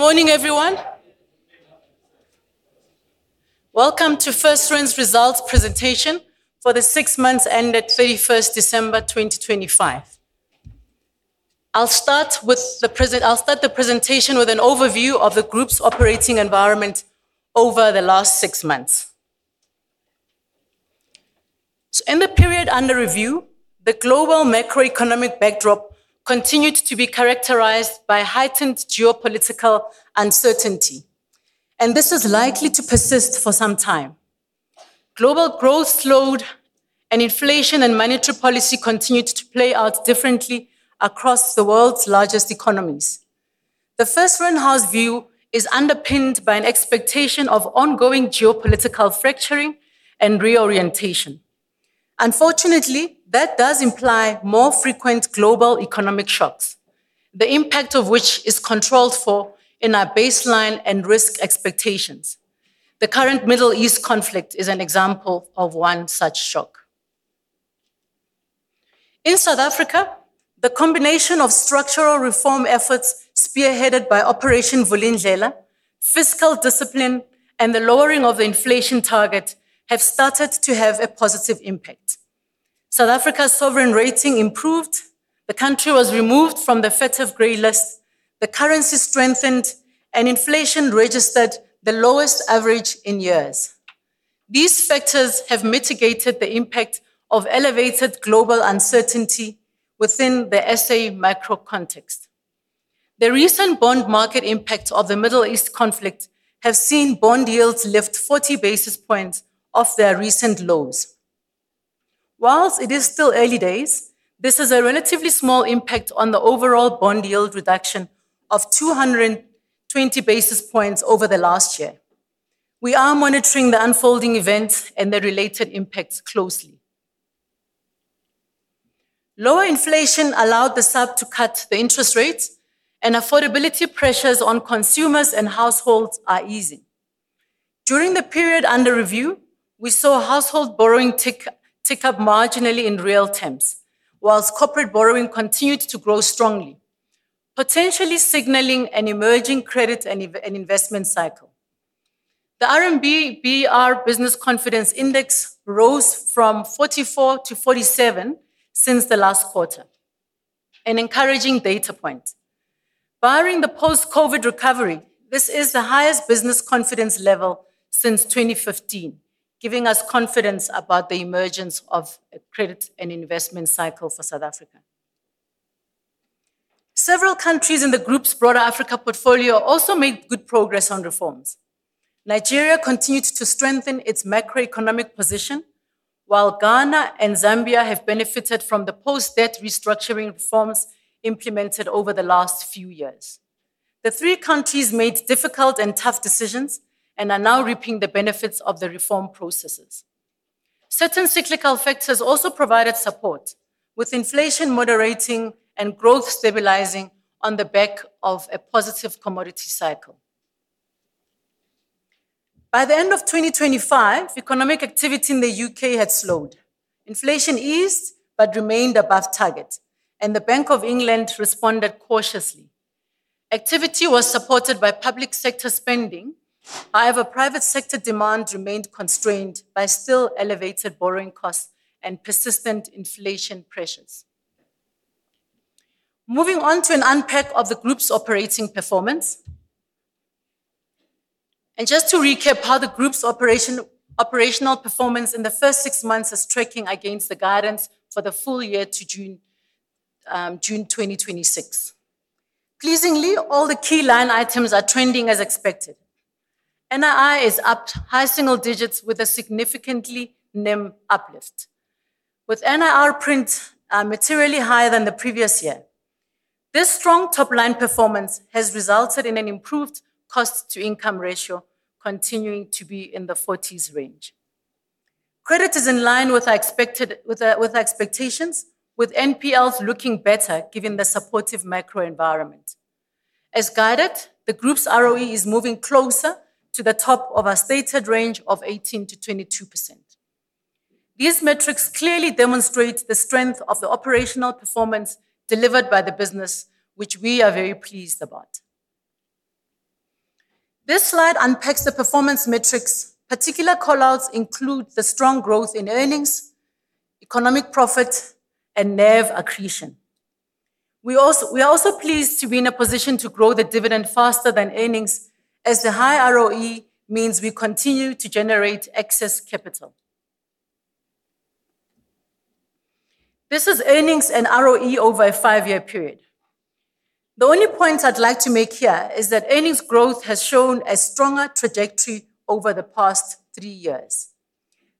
Morning, everyone. Welcome to FirstRand's results presentation for the six months ended 31st December 2025. I'll start the presentation with an overview of the group's operating environment over the last six months. In the period under review, the global macroeconomic backdrop continued to be characterized by heightened geopolitical uncertainty, and this is likely to persist for some time. Global growth slowed and inflation and monetary policy continued to play out differently across the world's largest economies. The FirstRand house view is underpinned by an expectation of ongoing geopolitical fracturing and reorientation. Unfortunately, that does imply more frequent global economic shocks, the impact of which is controlled for in our baseline and risk expectations. The current Middle East conflict is an example of one such shock. In South Africa, the combination of structural reform efforts spearheaded by Operation Vulindlela, fiscal discipline, and the lowering of the inflation target have started to have a positive impact. South Africa's sovereign rating improved, the country was removed from the FATF grey list, the currency strengthened, and inflation registered the lowest average in years. These factors have mitigated the impact of elevated global uncertainty within the SA macro context. The recent bond market impact of the Middle East conflict have seen bond yields lift 40 basis points off their recent lows. While it is still early days, this is a relatively small impact on the overall bond yield reduction of 220 basis points over the last year. We are monitoring the unfolding events and their related impacts closely. Lower inflation allowed the SARB to cut the interest rates and affordability pressures on consumers and households are easing. During the period under review, we saw household borrowing tick up marginally in real terms, whilst corporate borrowing continued to grow strongly, potentially signaling an emerging credit and investment cycle. The RMB/BER Business Confidence Index rose from 44 to 47 since the last quarter, an encouraging data point. Barring the post-COVID recovery, this is the highest business confidence level since 2015, giving us confidence about the emergence of a credit and investment cycle for South Africa. Several countries in the group's broader Africa portfolio also made good progress on reforms. Nigeria continued to strengthen its macroeconomic position, while Ghana and Zambia have benefited from the post-debt restructuring reforms implemented over the last few years. The three countries made difficult and tough decisions and are now reaping the benefits of the reform processes. Certain cyclical factors also provided support, with inflation moderating and growth stabilizing on the back of a positive commodity cycle. By the end of 2025, economic activity in the U.K. had slowed. Inflation eased but remained above target. The Bank of England responded cautiously. Activity was supported by public sector spending, however, private sector demand remained constrained by still elevated borrowing costs and persistent inflation pressures. Moving on to an unpack of the group's operating performance. Just to recap how the group's operational performance in the first six months is tracking against the guidance for the full year to June 2026. Pleasingly, all the key line items are trending as expected. NII is up high single digits with a significantly NIM uplift, with NIR prints materially higher than the previous year. This strong top-line performance has resulted in an improved cost-to-income ratio continuing to be in the 40s range. Credit is in line with our expectations, with NPLs looking better given the supportive macro environment. As guided, the group's ROE is moving closer to the top of our stated range of 18%-22%. These metrics clearly demonstrate the strength of the operational performance delivered by the business, which we are very pleased about. This slide unpacks the performance metrics. Particular call-outs include the strong growth in earnings, economic profit, and NAV accretion. We are also pleased to be in a position to grow the dividend faster than earnings as the high ROE means we continue to generate excess capital. This is earnings and ROE over a five-year period. The only point I'd like to make here is that earnings growth has shown a stronger trajectory over the past three years.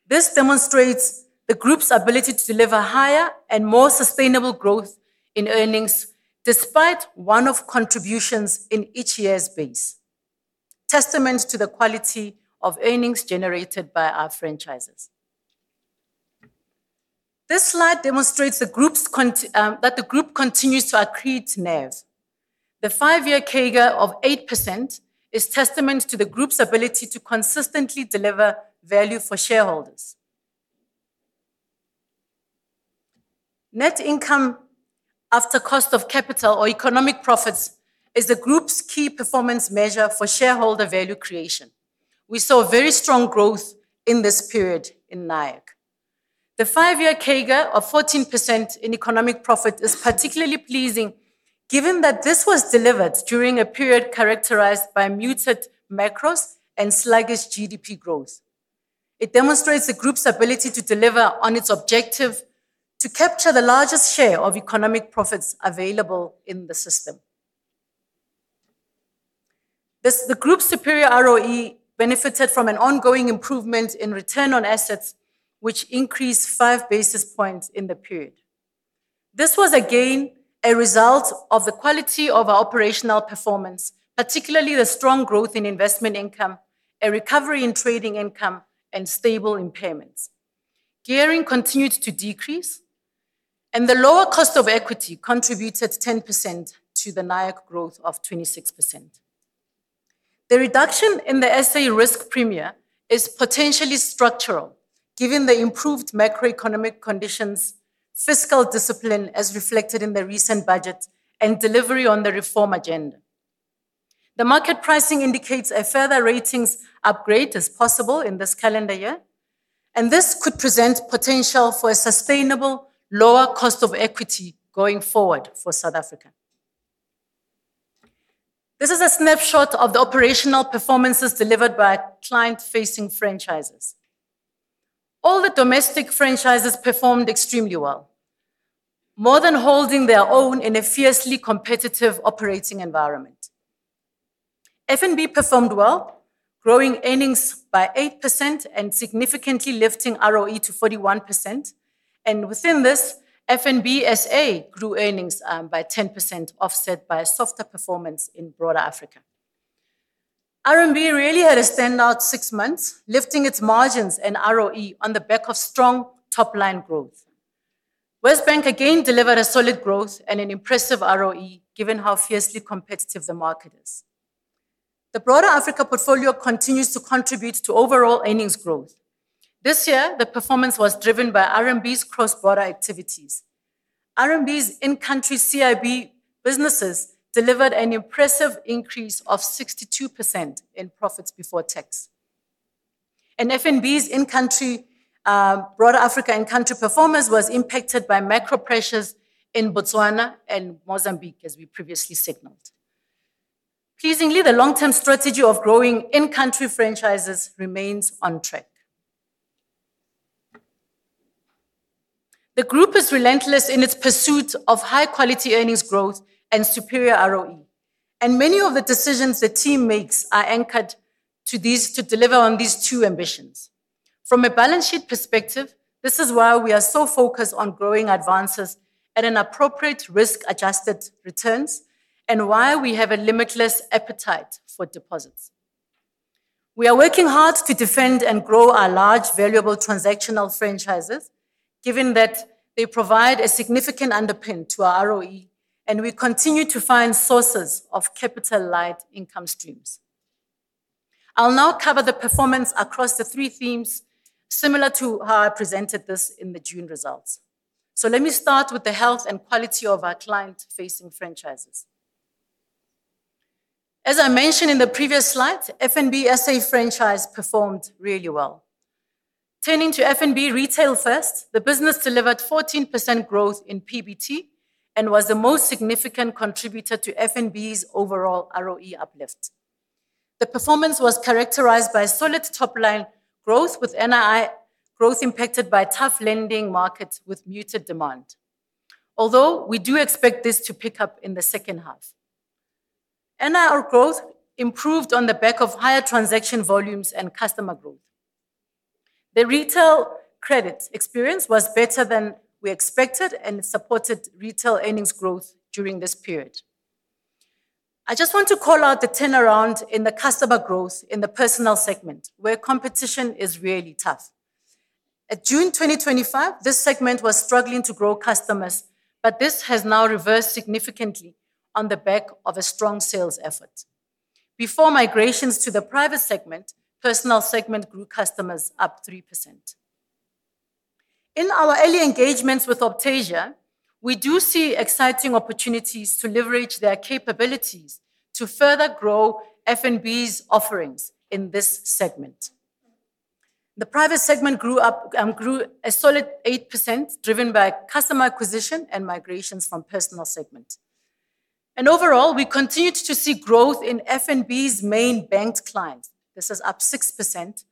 This demonstrates the group's ability to deliver higher and more sustainable growth in earnings despite one-off contributions in each year's base, testament to the quality of earnings generated by our franchises. This slide demonstrates that the group continues to accrete NAV. The five-year CAGR of 8% is testament to the group's ability to consistently deliver value for shareholders. Net income after cost of capital or economic profits is the group's key performance measure for shareholder value creation. We saw very strong growth in this period in NIAC. The five-year CAGR of 14% in economic profit is particularly pleasing given that this was delivered during a period characterized by muted macros and sluggish GDP growth. It demonstrates the group's ability to deliver on its objective to capture the largest share of economic profits available in the system. The group's superior ROE benefited from an ongoing improvement in return on assets which increased 5 basis points in the period. This was again a result of the quality of our operational performance, particularly the strong growth in investment income, a recovery in trading income, and stable impairments. Gearing continued to decrease, and the lower cost of equity contributed 10% to the NIAC growth of 26%. The reduction in the SA risk premia is potentially structural given the improved macroeconomic conditions, fiscal discipline as reflected in the recent budget, and delivery on the reform agenda. The market pricing indicates a further ratings upgrade is possible in this calendar year, and this could present potential for a sustainable lower cost of equity going forward for South Africa. This is a snapshot of the operational performances delivered by our client-facing franchises. All the domestic franchises performed extremely well, more than holding their own in a fiercely competitive operating environment. FNB performed well, growing earnings by 8% and significantly lifting ROE to 41%. Within this, FNB SA grew earnings by 10%, offset by a softer performance in broader Africa. RMB really had a standout six months, lifting its margins and ROE on the back of strong top-line growth. WesBank again delivered a solid growth and an impressive ROE given how fiercely competitive the market is. The broader Africa portfolio continues to contribute to overall earnings growth. This year, the performance was driven by RMB's cross-border activities. RMB's in-country CIB businesses delivered an impressive increase of 62% in profits before tax. FNB's in-country, broader Africa in-country performance was impacted by macro pressures in Botswana and Mozambique, as we previously signaled. Pleasingly, the long-term strategy of growing in-country franchises remains on track. The group is relentless in its pursuit of high-quality earnings growth and superior ROE, and many of the decisions the team makes are anchored to these to deliver on these two ambitions. From a balance sheet perspective, this is why we are so focused on growing advances at an appropriate risk-adjusted returns and why we have a limitless appetite for deposits. We are working hard to defend and grow our large valuable transactional franchises given that they provide a significant underpin to our ROE. We continue to find sources of capital-light income streams. I'll now cover the performance across the three themes similar to how I presented this in the June results. Let me start with the health and quality of our client-facing franchises. As I mentioned in the previous slide, FNB SA franchise performed really well. Turning to FNB retail first, the business delivered 14% growth in PBT and was the most significant contributor to FNB's overall ROE uplift. The performance was characterized by solid top-line growth, with NII growth impacted by a tough lending market with muted demand. Although, we do expect this to pick up in the second half. NIR growth improved on the back of higher transaction volumes and customer growth. The retail credit experience was better than we expected and supported retail earnings growth during this period. I just want to call out the turnaround in the customer growth in the personal segment, where competition is really tough. At June 2025, this segment was struggling to grow customers, but this has now reversed significantly on the back of a strong sales effort. Before migrations to the private segment, personal segment grew customers up 3%. In our early engagements with Optasia, we do see exciting opportunities to leverage their capabilities to further grow FNB's offerings in this segment. The private segment grew a solid 8%, driven by customer acquisition and migrations from personal segment. Overall, we continued to see growth in FNB's main banked clients. This is up 6%,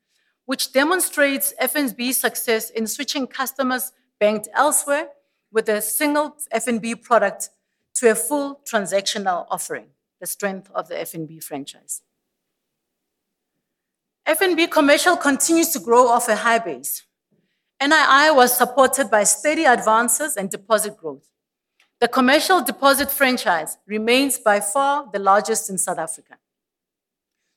which demonstrates FNB's success in switching customers banked elsewhere with a single FNB product to a full transactional offering, the strength of the FNB franchise. FNB Commercial continues to grow off a high base. NII was supported by steady advances and deposit growth. The commercial deposit franchise remains by far the largest in South Africa.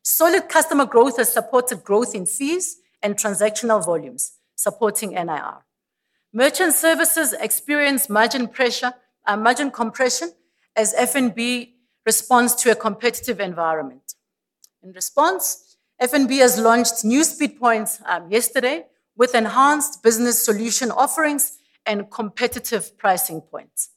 Solid customer growth has supported growth in fees and transactional volumes, supporting NII. Merchant services experienced margin pressure, margin compression as FNB responds to a competitive environment. In response, FNB has launched new Speedpoints yesterday with enhanced business solution offerings and competitive pricing points.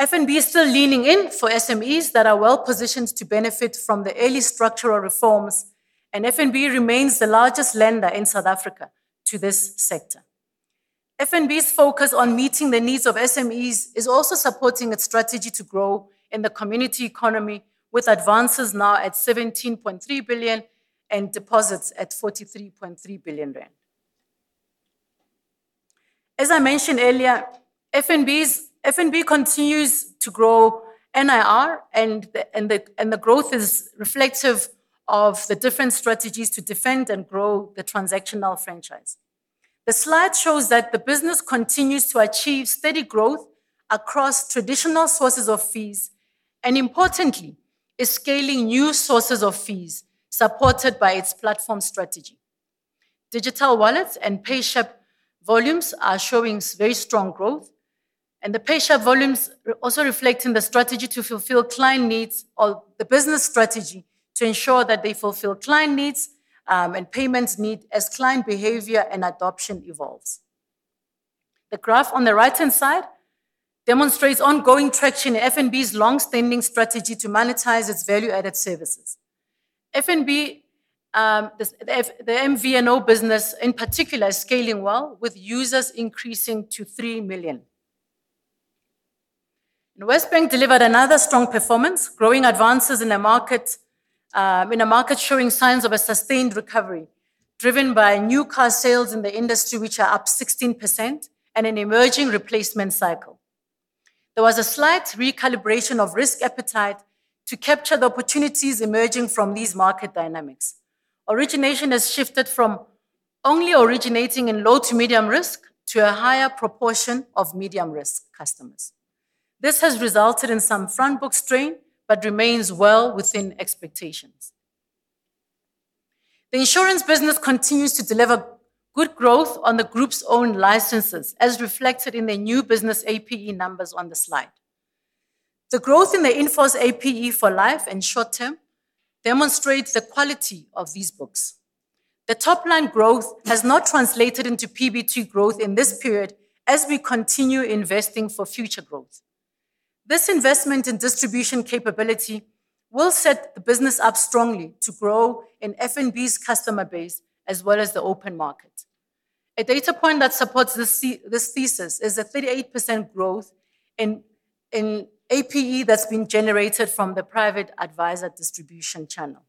FNB is still leaning in for SMEs that are well-positioned to benefit from the early structural reforms, and FNB remains the largest lender in South Africa to this sector. FNB's focus on meeting the needs of SMEs is also supporting its strategy to grow in the community economy, with advances now at 17.3 billion and deposits at 43.3 billion rand. As I mentioned earlier, FNB continues to grow NIR, and the growth is reflective of the different strategies to defend and grow the transactional franchise. The slide shows that the business continues to achieve steady growth across traditional sources of fees, and importantly, is scaling new sources of fees supported by its platform strategy. Digital wallets and PayShap volumes are showing very strong growth, and the PayShap volumes are also reflecting the strategy to fulfill client needs or the business strategy to ensure that they fulfill client needs, and payments need as client behavior and adoption evolves. The graph on the right-hand side demonstrates ongoing traction in FNB's long-standing strategy to monetize its value-added services. FNB, the MVNO business in particular is scaling well with users increasing to 3 million. WesBank delivered another strong performance, growing advances in a market, in a market showing signs of a sustained recovery driven by new car sales in the industry, which are up 16% and an emerging replacement cycle. There was a slight recalibration of risk appetite to capture the opportunities emerging from these market dynamics. Origination has shifted from only originating in low to medium risk to a higher proportion of medium risk customers. This has resulted in some front book strain but remains well within expectations. The insurance business continues to deliver good growth on the group's own licenses, as reflected in the new business APE numbers on the slide. The growth in the in-force APE for life and short term demonstrates the quality of these books. The top-line growth has not translated into PBT growth in this period as we continue investing for future growth. This investment in distribution capability will set the business up strongly to grow in FNB's customer base as well as the open market. A data point that supports this thesis is the 38% growth in APE that's been generated from the private advisor distribution channel.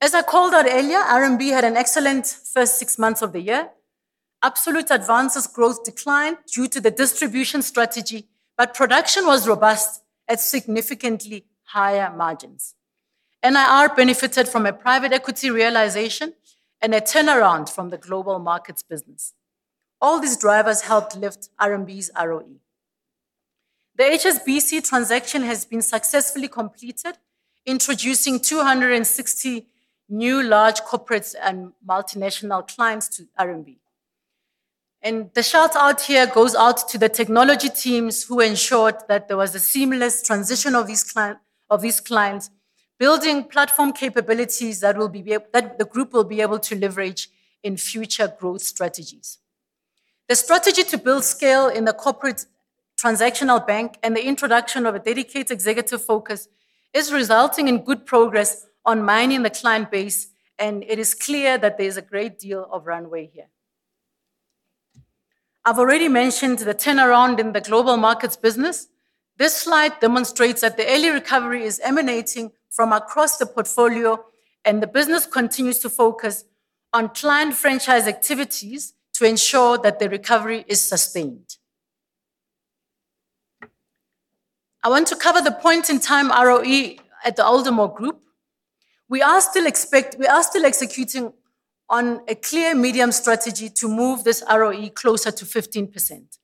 As I called out earlier, RMB had an excellent first six months of the year. Absolute advances growth declined due to the distribution strategy, but production was robust at significantly higher margins. NIR benefited from a private equity realization and a turnaround from the global markets business. All these drivers helped lift RMB's ROE. The HSBC transaction has been successfully completed, introducing 260 new large corporates and multinational clients to RMB. The shout-out here goes out to the technology teams who ensured that there was a seamless transition of these clients, building platform capabilities that will be that the group will be able to leverage in future growth strategies. The strategy to build scale in the corporate transactional bank and the introduction of a dedicated executive focus is resulting in good progress on mining the client base, it is clear that there's a great deal of runway here. I've already mentioned the turnaround in the global markets business. This slide demonstrates that the early recovery is emanating from across the portfolio, the business continues to focus on planned franchise activities to ensure that the recovery is sustained. I want to cover the point in time ROE at the Old Mutual Group. We are still executing on a clear medium strategy to move this ROE closer to 15%.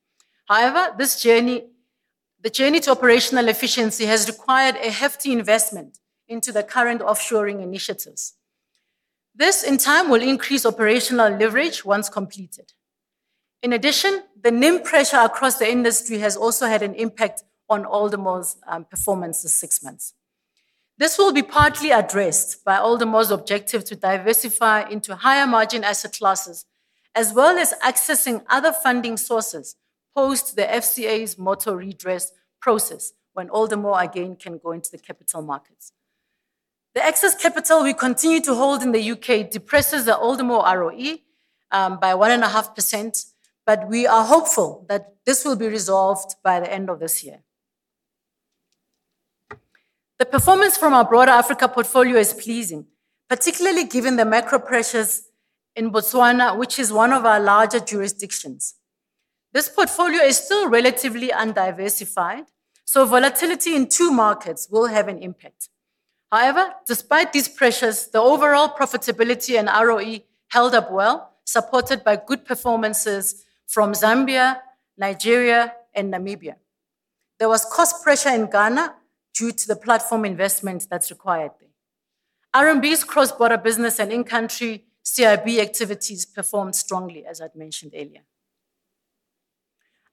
The journey to operational efficiency has required a hefty investment into the current offshoring initiatives. This, in time, will increase operational leverage once completed. The NIM pressure across the industry has also had an impact on Old Mutual's performance this six months. This will be partly addressed by Old Mutual's objective to diversify into higher margin asset classes as well as accessing other funding sources post the FCA's Moto redress process when Old Mutual again can go into the capital markets. The excess capital we continue to hold in the U.K. depresses the Old Mutual ROE, by 1.5%. We are hopeful that this will be resolved by the end of this year. The performance from our broader Africa portfolio is pleasing, particularly given the macro pressures in Botswana, which is one of our larger jurisdictions. This portfolio is still relatively undiversified, so volatility in two markets will have an impact. Despite these pressures, the overall profitability and ROE held up well, supported by good performances from Zambia, Nigeria and Namibia. There was cost pressure in Ghana due to the platform investment that's required there. RMB's cross-border business and in-country CIB activities performed strongly, as I'd mentioned earlier.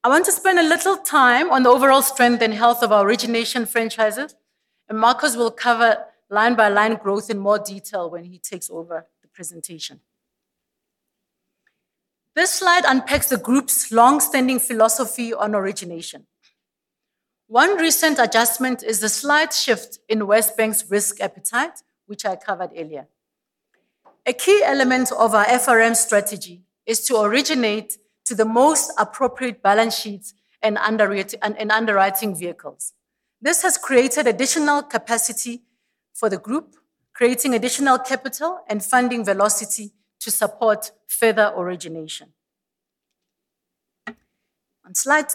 I want to spend a little time on the overall strength and health of our origination franchises, and Markos will cover line-by-line growth in more detail when he takes over the presentation. This slide unpacks the group's long-standing philosophy on origination. One recent adjustment is the slight shift in WesBank's risk appetite, which I covered earlier. A key element of our FRM strategy is to originate to the most appropriate balance sheets and underwriting vehicles. This has created additional capacity for the group, creating additional capital and funding velocity to support further origination. On slide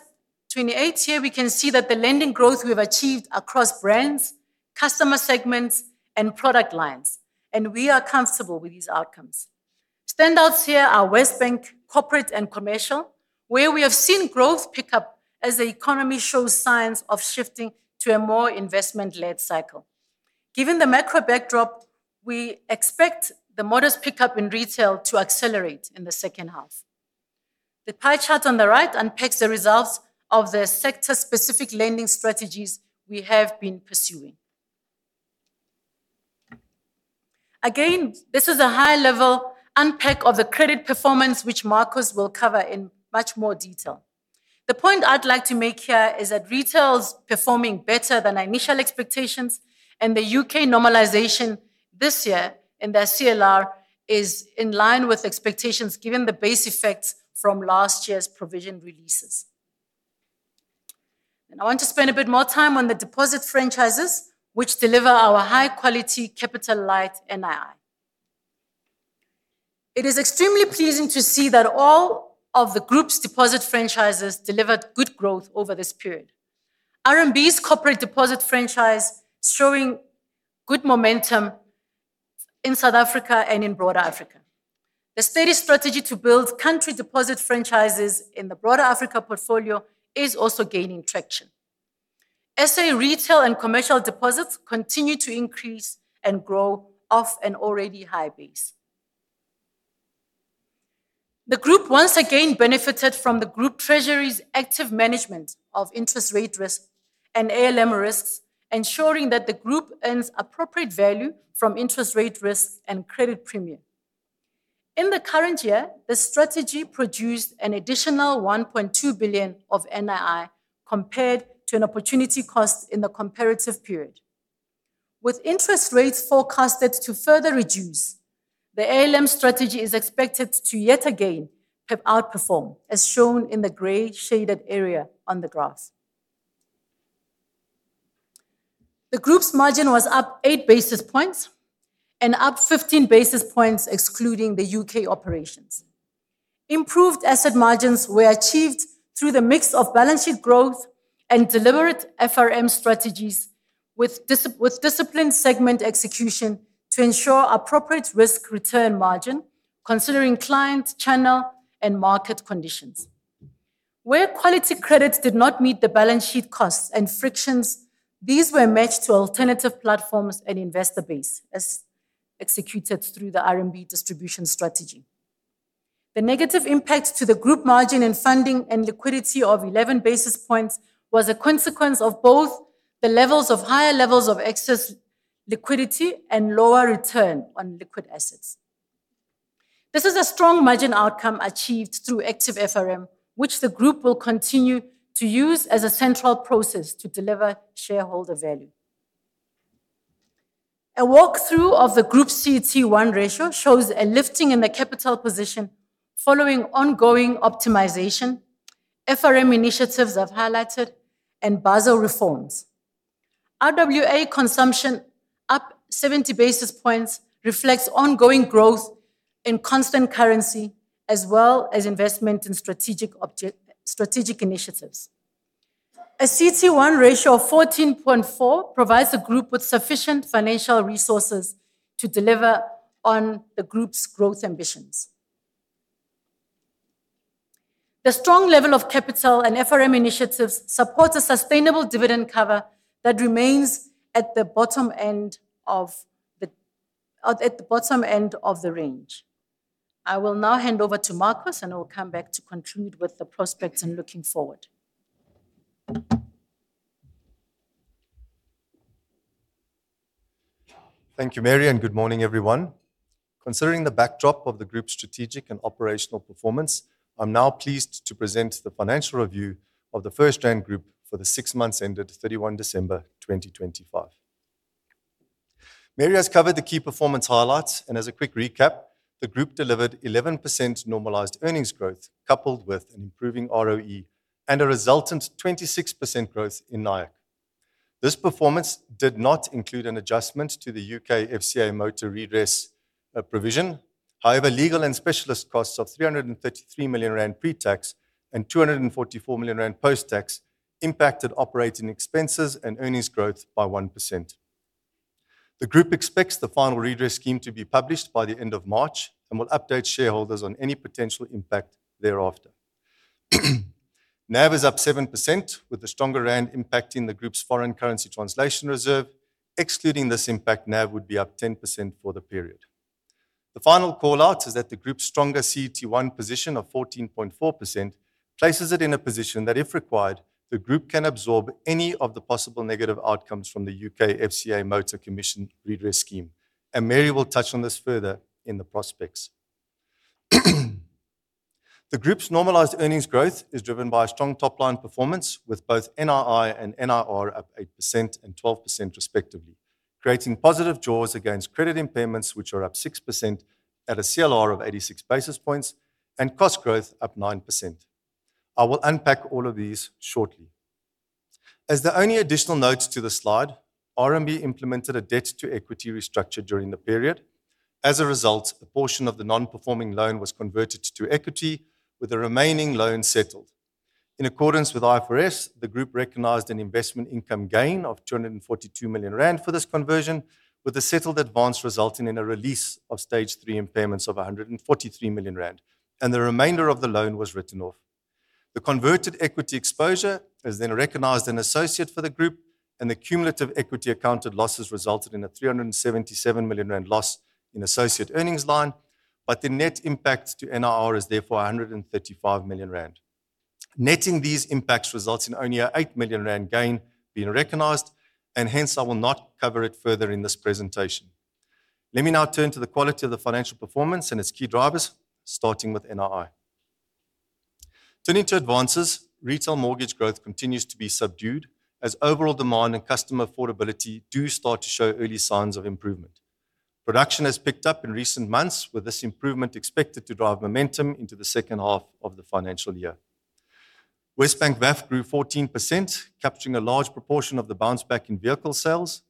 28, here we can see that the lending growth we have achieved across brands, customer segments, and product lines, and we are comfortable with these outcomes. Standouts here are WesBank Corporate and Commercial, where we have seen growth pick up as the economy shows signs of shifting to a more investment-led cycle. Given the macro backdrop, we expect the modest pickup in retail to accelerate in the second half. The pie chart on the right unpacks the results of the sector-specific lending strategies we have been pursuing. This is a high-level unpack of the credit performance which Markos will cover in much more detail. The point I'd like to make here is that retail is performing better than our initial expectations and the U.K. normalisation this year in their CLR is in line with expectations given the base effects from last year's provision releases. I want to spend a bit more time on the deposit franchises, which deliver our high-quality capital light NII. It is extremely pleasing to see that all of the group's deposit franchises delivered good growth over this period. RMB's corporate deposit franchise is showing good momentum in South Africa and in broader Africa. The steady strategy to build country deposit franchises in the broader Africa portfolio is also gaining traction. SA retail and commercial deposits continue to increase and grow off an already high base. The group once again benefited from the group treasury's active management of interest rate risk and ALM risks, ensuring that the group earns appropriate value from interest rate risks and credit premium. In the current year, the strategy produced an additional 1.2 billion of NII compared to an opportunity cost in the comparative period. With interest rates forecasted to further reduce, the ALM strategy is expected to yet again have outperformed, as shown in the grey shaded area on the graphs. The group's margin was up 8 basis points and up 15 basis points excluding the U.K. operations. Improved asset margins were achieved through the mix of balance sheet growth and deliberate FRM strategies with disciplined segment execution to ensure appropriate risk-return margin considering client, channel, and market conditions. Where quality credits did not meet the balance sheet costs and frictions, these were matched to alternative platforms and investor base as executed through the RMB distribution strategy. The negative impact to the group margin and funding and liquidity of 11 basis points was a consequence of both the levels of higher levels of excess liquidity and lower return on liquid assets. This is a strong margin outcome achieved through active FRM, which the group will continue to use as a central process to deliver shareholder value. A walkthrough of the group's CET1 ratio shows a lifting in the capital position following ongoing optimization, FRM initiatives I've highlighted, and Basel reforms. RWA consumption up 70 basis points reflects ongoing growth in constant currency as well as investment in strategic initiatives. A CET1 ratio of 14.4 provides the group with sufficient financial resources to deliver on the group's growth ambitions. The strong level of capital and FRM initiatives supports a sustainable dividend cover that remains at the bottom end of the bottom end of the range. I will now hand over to Markos, I will come back to conclude with the prospects and looking forward. Thank you, Mary. Good morning, everyone. Considering the backdrop of the group's strategic and operational performance, I'm now pleased to present the financial review of the FirstRand Group for the six months ended 31 December 2025. Mary has covered the key performance highlights, and as a quick recap, the group delivered 11% normalized earnings growth coupled with an improving ROE and a resultant 26% growth in NII. This performance did not include an adjustment to the U.K. FCA motor finance redress provision. However, legal and specialist cocsts of 333 million rand pre-tax and 244 million rand post-tax impacted operating expenses and earnings growth by 1%. The group expects the final redress scheme to be published by the end of March and will update shareholders on any potential impact thereafter. NAV is up 7%, with the stronger rand impacting the group's foreign currency translation reserve. Excluding this impact, NAV would be up 10% for the period. The final call out is that the group's stronger CET1 position of 14.4% places it in a position that, if required, the group can absorb any of the possible negative outcomes from the U.K. FCA Motor Commission Redress Scheme, and Mary will touch on this further in the prospects. The group's normalized earnings growth is driven by a strong top-line performance, with both NII and NIR up 8% and 12% respectively, creating positive jaws against credit impairments, which are up 6% at a CLR of 86 basis points and cost growth up 9%. I will unpack all of these shortly. As the only additional note to the slide, RMB implemented a debt-to-equity restructure during the period. As a result, a portion of the non-performing loan was converted to equity, with the remaining loan settled. In accordance with IFRS, the group recognized an investment income gain of 242 million rand for this conversion, with the settled advance resulting in a release of stage three impairments of 143 million rand, and the remainder of the loan was written off. The converted equity exposure is then recognized an associate for the group, and the cumulative equity accounted losses resulted in a 377 million rand loss in associate earnings line, but the net impact to NIR is therefore 135 million rand. Netting these impacts results in only an 8 million rand gain being recognized, and hence I will not cover it further in this presentation. Let me now turn to the quality of the financial performance and its key drivers, starting with NII. Turning to advances, retail mortgage growth continues to be subdued as overall demand and customer affordability do start to show early signs of improvement. Production has picked up in recent months, with this improvement expected to drive momentum into the second half of the financial year. WesBank VAF grew 14%, capturing a large proportion of the bounce back in vehicle sales.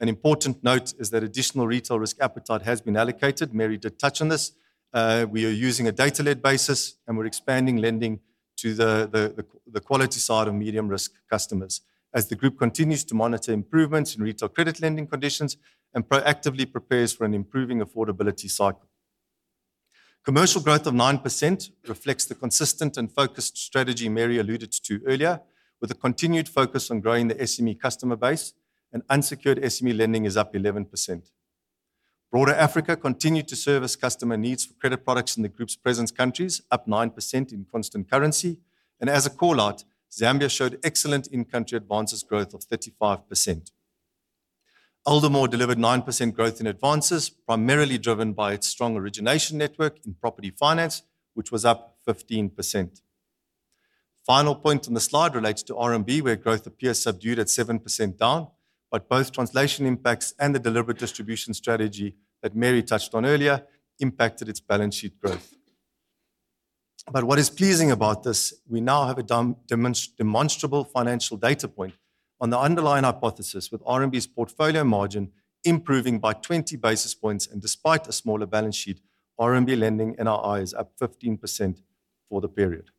An important note is that additional retail risk appetite has been allocated. Mary did touch on this. We are using a data-led basis, and we're expanding lending to the quality side of medium risk customers as the group continues to monitor improvements in retail credit lending conditions and proactively prepares for an improving affordability cycle. Commercial growth of 9% reflects the consistent and focused strategy Mary alluded to earlier, with a continued focus on growing the SME customer base and unsecured SME lending is up 11%. Broader Africa continued to service customer needs for credit products in the group's presence countries, up 9% in constant currency. As a call-out, Zambia showed excellent in-country advances growth of 35%. Aldermore delivered 9% growth in advances, primarily driven by its strong origination network in property finance, which was up 15%. Final point on the slide relates to RMB, where growth appears subdued at 7% down. Both translation impacts and the deliberate distribution strategy that Mary touched on earlier impacted its balance sheet growth. What is pleasing about this, we now have a demonstrable financial data point on the underlying hypothesis with RMB's portfolio margin improving by 20 basis points and despite a smaller balance sheet, RMB lending NII is up 15% for the period.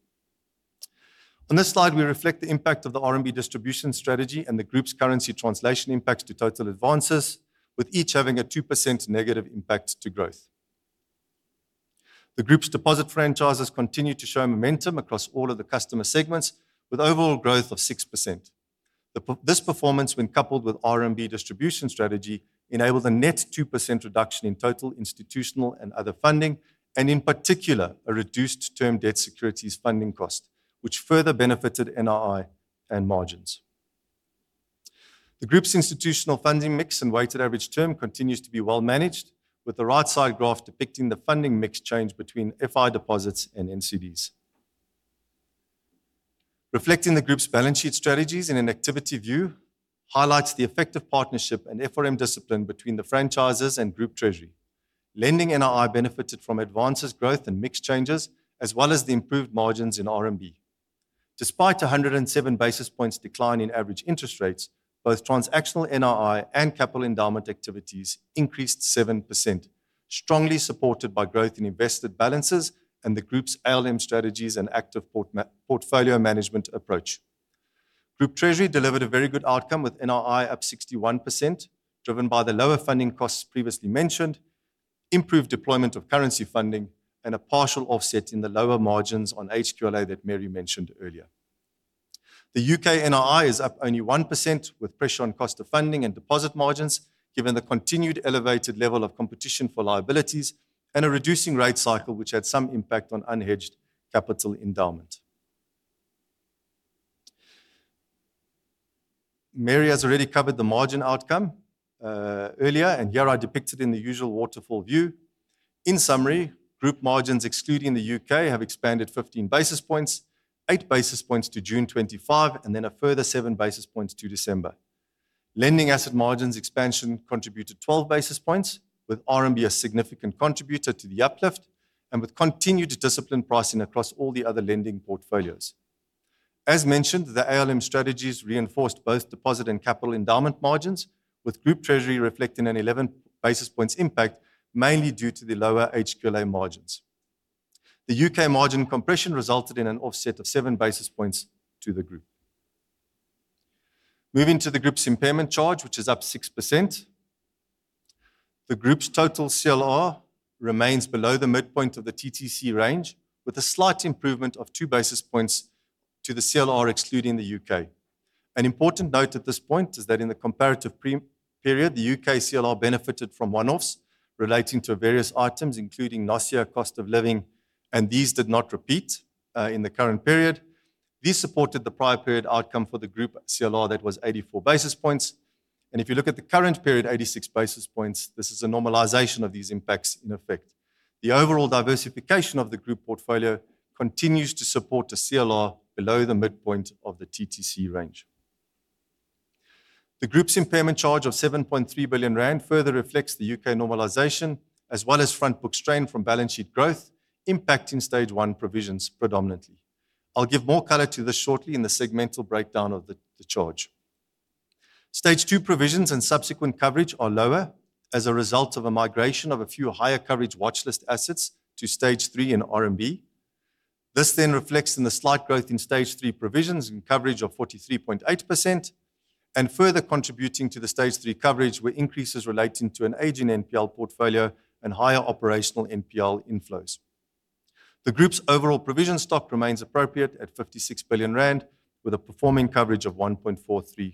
On this slide, we reflect the impact of the RMB distribution strategy and the group's currency translation impacts to total advances, with each having a 2% negative impact to growth. The group's deposit franchises continue to show momentum across all of the customer segments with overall growth of 6%. This performance, when coupled with RMB distribution strategy, enabled a net 2% reduction in total institutional and other funding and, in particular, a reduced term debt securities funding cost, which further benefited NII and margins. The group's institutional funding mix and weighted average term continues to be well managed, with the right side graph depicting the funding mix change between FI deposits and NCDs. Reflecting the group's balance sheet strategies in an activity view highlights the effective partnership and FRM discipline between the franchises and group treasury. Lending NII benefited from advances growth and mix changes, as well as the improved margins in RMB. Despite 107 basis points decline in average interest rates, both transactional NII and capital endowment activities increased 7%, strongly supported by growth in invested balances and the group's ALM strategies and active portfolio management approach. Group Treasury delivered a very good outcome with NII up 61%, driven by the lower funding costs previously mentioned, improved deployment of currency funding, and a partial offset in the lower margins on HQLA that Mary mentioned earlier. The U.K. NII is up only 1%, with pressure on cost of funding and deposit margins, given the continued elevated level of competition for liabilities and a reducing rate cycle which had some impact on unhedged capital endowment. Mary has already covered the margin outcome earlier, here I depict it in the usual waterfall view. In summary, group margins excluding the U.K. have expanded 15 basis points, 8 basis points to June 25, a further 7 basis points to December. Lending asset margins expansion contributed 12 basis points, with RMB a significant contributor to the uplift with continued disciplined pricing across all the other lending portfolios. As mentioned, the ALM strategies reinforced both deposit and capital endowment margins, with Group Treasury reflecting an 11 basis points impact mainly due to the lower HQLA margins. The U.K. margin compression resulted in an offset of 7 basis points to the group. Moving to the group's impairment charge, which is up 6%. The group's total CLR remains below the midpoint of the TTC range, with a slight improvement of 2 basis points to the CLR excluding the U.K. An important note at this point is that in the comparative pre period, the U.K. CLR benefited from one-offs relating to various items, including last year cost of living. These did not repeat in the current period. These supported the prior period outcome for the group CLR that was 84 basis points. If you look at the current period, 86 basis points, this is a normalization of these impacts in effect. The overall diversification of the group portfolio continues to support a CLR below the midpoint of the TTC range. The group's impairment charge of 7.3 billion rand further reflects the U.K. normalization as well as front book strain from balance sheet growth impacting stage 1 provisions predominantly. I'll give more color to this shortly in the segmental breakdown of the charge. Stage 2 provisions and subsequent coverage are lower as a result of a migration of a few higher coverage watchlist assets to stage 3 in RMB. This reflects in the slight growth in stage 3 provisions in coverage of 43.8% and further contributing to the stage 3 coverage were increases relating to an aging NPL portfolio and higher operational NPL inflows. The group's overall provision stock remains appropriate at 56 billion rand with a performing coverage of 1.43%.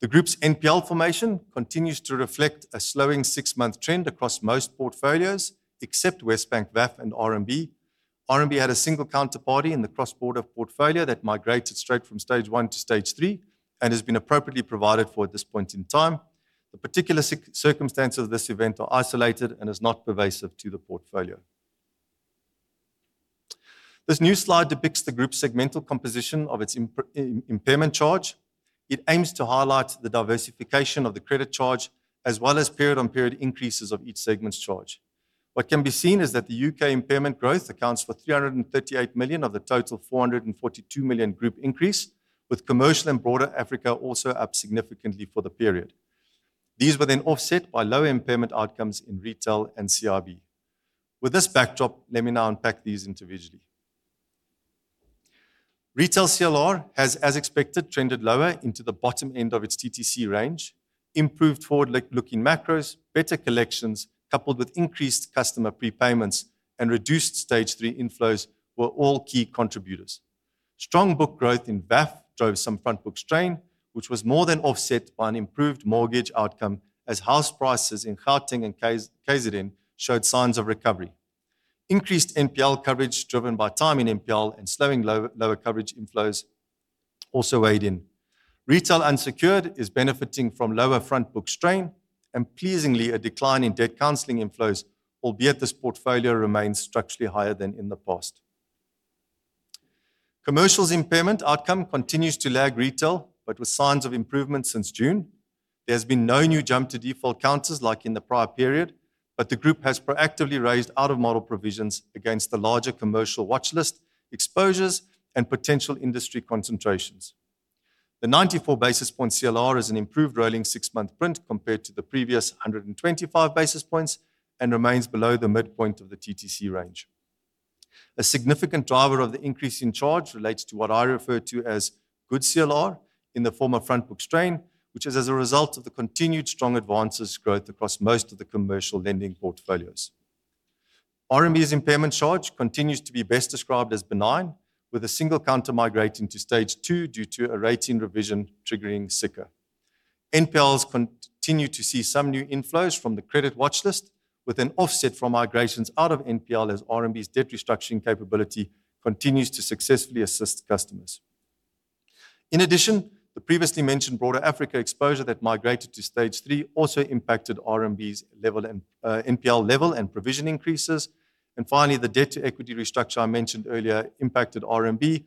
The group's NPL formation continues to reflect a slowing six-month trend across most portfolios except WesBank, VAF and RMB. RMB had a single counterparty in the cross-border portfolio that migrated straight from stage one to stage three and has been appropriately provided for at this point in time. The particular circumstances of this event are isolated and is not pervasive to the portfolio. This new slide depicts the group segmental composition of its impairment charge. It aims to highlight the diversification of the credit charge as well as period-on-period increases of each segment's charge. What can be seen is that the U.K. impairment growth accounts for 338 million of the total 442 million group increase, with commercial and broader Africa also up significantly for the period. These were offset by low impairment outcomes in retail and CRB. With this backdrop, let me now unpack these individually. Retail CLR has, as expected, trended lower into the bottom end of its TTC range, improved forward-looking macros, better collections coupled with increased customer prepayments and reduced stage 3 inflows were all key contributors. Strong book growth in VAF drove some front book strain, which was more than offset by an improved mortgage outcome as house prices in Gauteng and KZN showed signs of recovery. Increased NPL coverage driven by time in NPL and slowing lower coverage inflows also weighed in. Retail unsecured is benefiting from lower front book strain and pleasingly a decline in debt counseling inflows, albeit this portfolio remains structurally higher than in the past. Commercial's impairment outcome continues to lag retail, but with signs of improvement since June. There's been no new jump to default counters like in the prior period, but the group has proactively raised out of model provisions against the larger commercial watchlist exposures and potential industry concentrations. The 94 basis point CLR is an improved rolling six-month print compared to the previous 125 basis points and remains below the midpoint of the TTC range. A significant driver of the increase in charge relates to what I refer to as good CLR in the form of front book strain, which is as a result of the continued strong advances growth across most of the commercial lending portfolios. RMB's impairment charge continues to be best described as benign, with a single counter migrating to stage two due to a rating revision triggering SICA. NPLs continue to see some new inflows from the credit watchlist with an offset from migrations out of NPL as RMB's debt restructuring capability continues to successfully assist customers. In addition, the previously mentioned broader Africa exposure that migrated to stage 3 also impacted RMB's level and NPL level and provision increases. Finally, the debt to equity restructure I mentioned earlier impacted RMB.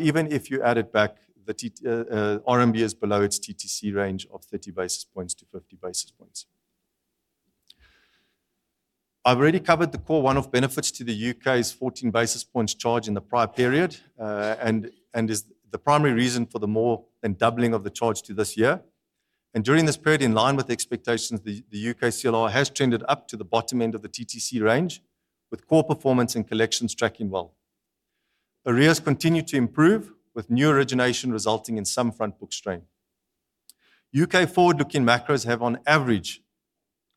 Even if you added back the RMB is below its TTC range of 30 basis points to 50 basis points. I've already covered the core one-off benefits to the U.K.'s 14 basis points charge in the prior period, and is the primary reason for the more than doubling of the charge to this year. During this period, in line with expectations, the U.K. CLR has trended up to the bottom end of the TTC range with core performance and collections tracking well. Arrears continue to improve with new origination resulting in some front book strain. U.K. forward-looking macros have on average,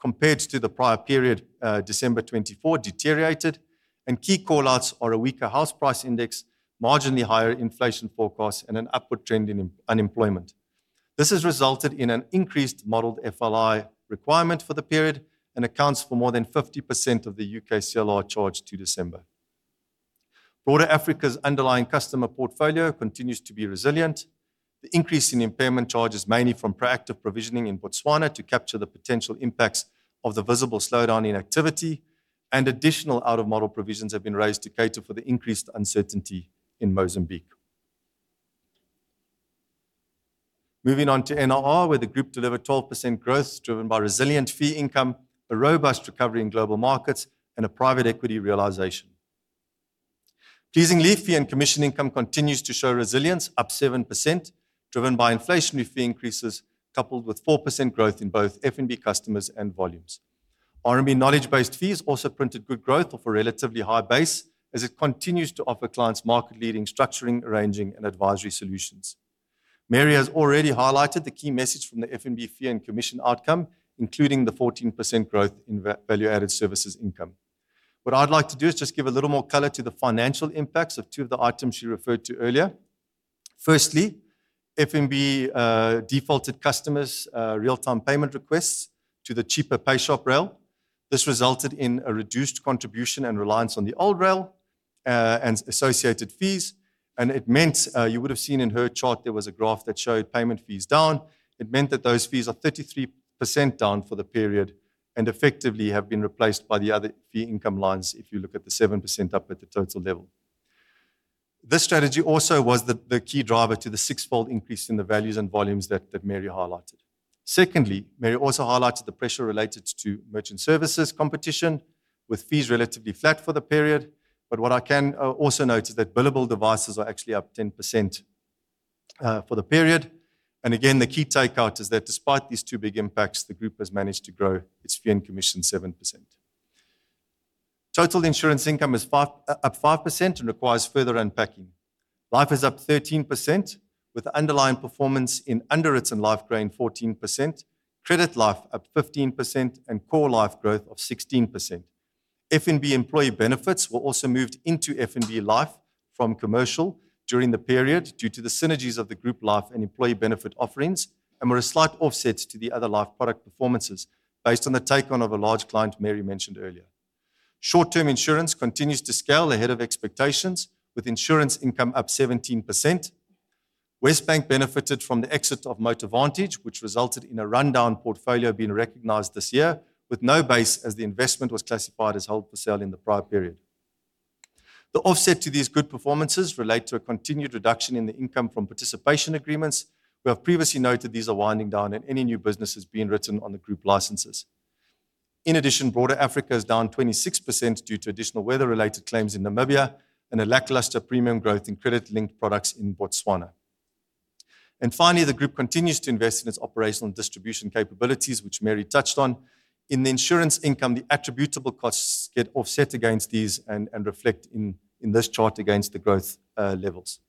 compared to the prior period, December 2024 deteriorated and key call-outs are a weaker house price index, marginally higher inflation forecasts and an upward trend in unemployment. This has resulted in an increased modeled FLI requirement for the period and accounts for more than 50% of the U.K. CLR charge to December. Broader Africa's underlying customer portfolio continues to be resilient. The increase in impairment charge is mainly from proactive provisioning in Botswana to capture the potential impacts of the visible slowdown in activity and additional out of model provisions have been raised to cater for the increased uncertainty in Mozambique. Moving on to NIR, where the group delivered 12% growth driven by resilient fee income, a robust recovery in global markets, and a private equity realization. Pleasingly, fee and commission income continues to show resilience up 7%, driven by inflationary fee increases coupled with 4% growth in both FNB customers and volumes. RMB knowledge-based fees also printed good growth of a relatively high base as it continues to offer clients market-leading structuring, arranging and advisory solutions. Mary has already highlighted the key message from the FNB fee and commission outcome, including the 14% growth in value-added services income. What I'd like to do is just give a little more color to the financial impacts of two of the items she referred to earlier. Firstly, FNB defaulted customers real-time payment requests to the cheaper PayShap rail. This resulted in a reduced contribution and reliance on the old rail and associated fees. It meant you would have seen in her chart there was a graph that showed payment fees down. It meant that those fees are 33% down for the period and effectively have been replaced by the other fee income lines if you look at the 7% up at the total level. This strategy also was the key driver to the six-fold increase in the values and volumes that Mary highlighted. Secondly, Mary also highlighted the pressure related to merchant services competition, with fees relatively flat for the period. What I can also note is that billable devices are actually up 10% for the period. Again, the key takeout is that despite these two big impacts, the group has managed to grow its fee and commission 7%. Total insurance income is up 5% and requires further unpacking. Life is up 13%, with underlying performance in underwritten life growing 14%, credit life up 15%, and core life growth of 16%. FNB employee benefits were also moved into FNB Life from commercial during the period due to the synergies of the group life and employee benefit offerings, and were a slight offset to the other life product performances based on the take-on of a large client Mary mentioned earlier. Short-term insurance continues to scale ahead of expectations, with insurance income up 17%. WesBank benefited from the exit of MotoVantage, which resulted in a rundown portfolio being recognized this year, with no base as the investment was classified as held for sale in the prior period. The offset to these good performances relate to a continued reduction in the income from participation agreements. We have previously noted these are winding down and any new business is being written on the group licenses. Broader Africa is down 26% due to additional weather-related claims in Namibia and a lackluster premium growth in credit-linked products in Botswana. Finally, the group continues to invest in its operational and distribution capabilities, which Mary touched on. In the insurance income, the attributable costs get offset against these and reflect in this chart against the growth levels.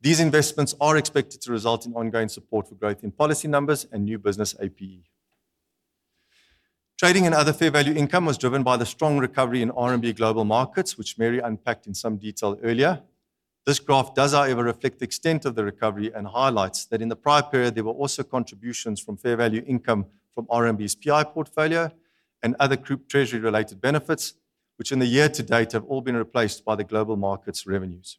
These investments are expected to result in ongoing support for growth in policy numbers and new business APE. Trading and other fair value income was driven by the strong recovery in RMB global markets, which Mary unpacked in some detail earlier. This graph does, however, reflect the extent of the recovery and highlights that in the prior period, there were also contributions from fair value income from RMB's PI portfolio and other group treasury-related benefits, which in the year to date have all been replaced by the global markets revenues.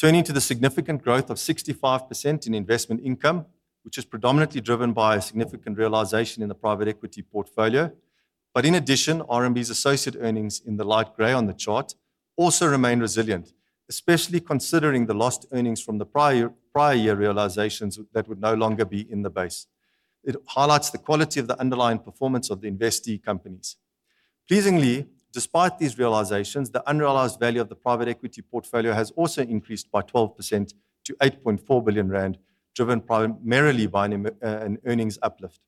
Turning to the significant growth of 65% in investment income, which is predominantly driven by a significant realization in the private equity portfolio. In addition, RMB's associate earnings in the light gray on the chart also remain resilient, especially considering the lost earnings from the prior year realizations that would no longer be in the base. It highlights the quality of the underlying performance of the investee companies. Pleasingly, despite these realizations, the unrealized value of the private equity portfolio has also increased by 12% to 8.4 billion rand, driven primarily by an earnings uplift.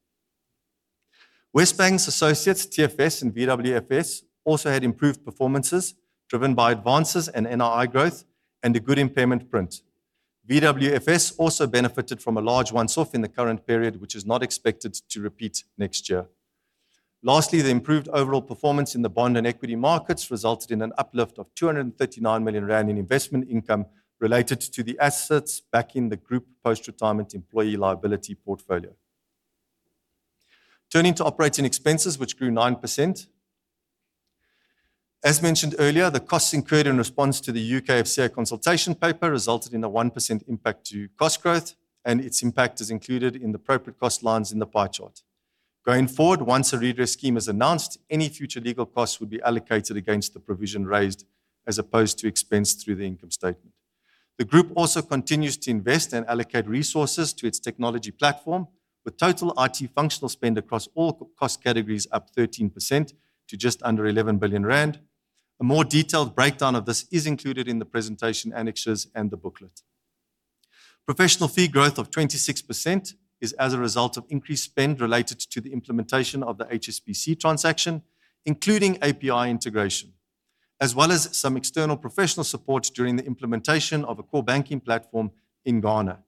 WesBank's associates, TFS and VWFS, also had improved performances driven by advances in NII growth and a good impairment print. VWFS also benefited from a large once-off in the current period, which is not expected to repeat next year. The improved overall performance in the bond and equity markets resulted in an uplift of 239 million rand in investment income related to the assets back in the Group post-retirement employee liability portfolio. Turning to operating expenses, which grew 9%. As mentioned earlier, the costs incurred in response to the U.K. FCA consultation paper resulted in a 1% impact to cost growth. Its impact is included in the appropriate cost lines in the pie chart. Going forward, once a redress scheme is announced, any future legal costs would be allocated against the provision raised as opposed to expense through the income statement. The group also continues to invest and allocate resources to its technology platform, with total IT functional spend across all c-cost categories up 13% to just under 11 billion rand. A more detailed breakdown of this is included in the presentation annexures and the booklet. Professional fee growth of 26% is as a result of increased spend related to the implementation of the HSBC transaction, including API integration, as well as some external professional support during the implementation of a core banking platform in Ghana.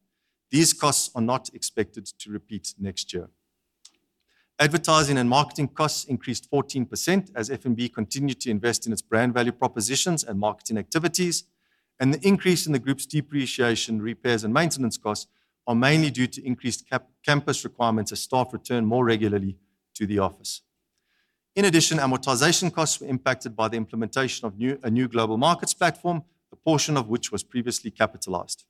These costs are not expected to repeat next year. Advertising and marketing costs increased 14% as FNB continued to invest in its brand value propositions and marketing activities. The increase in the group's depreciation, repairs, and maintenance costs are mainly due to increased campus requirements as staff return more regularly to the office. In addition, amortization costs were impacted by the implementation of a new global markets platform, a portion of which was previously capitalized.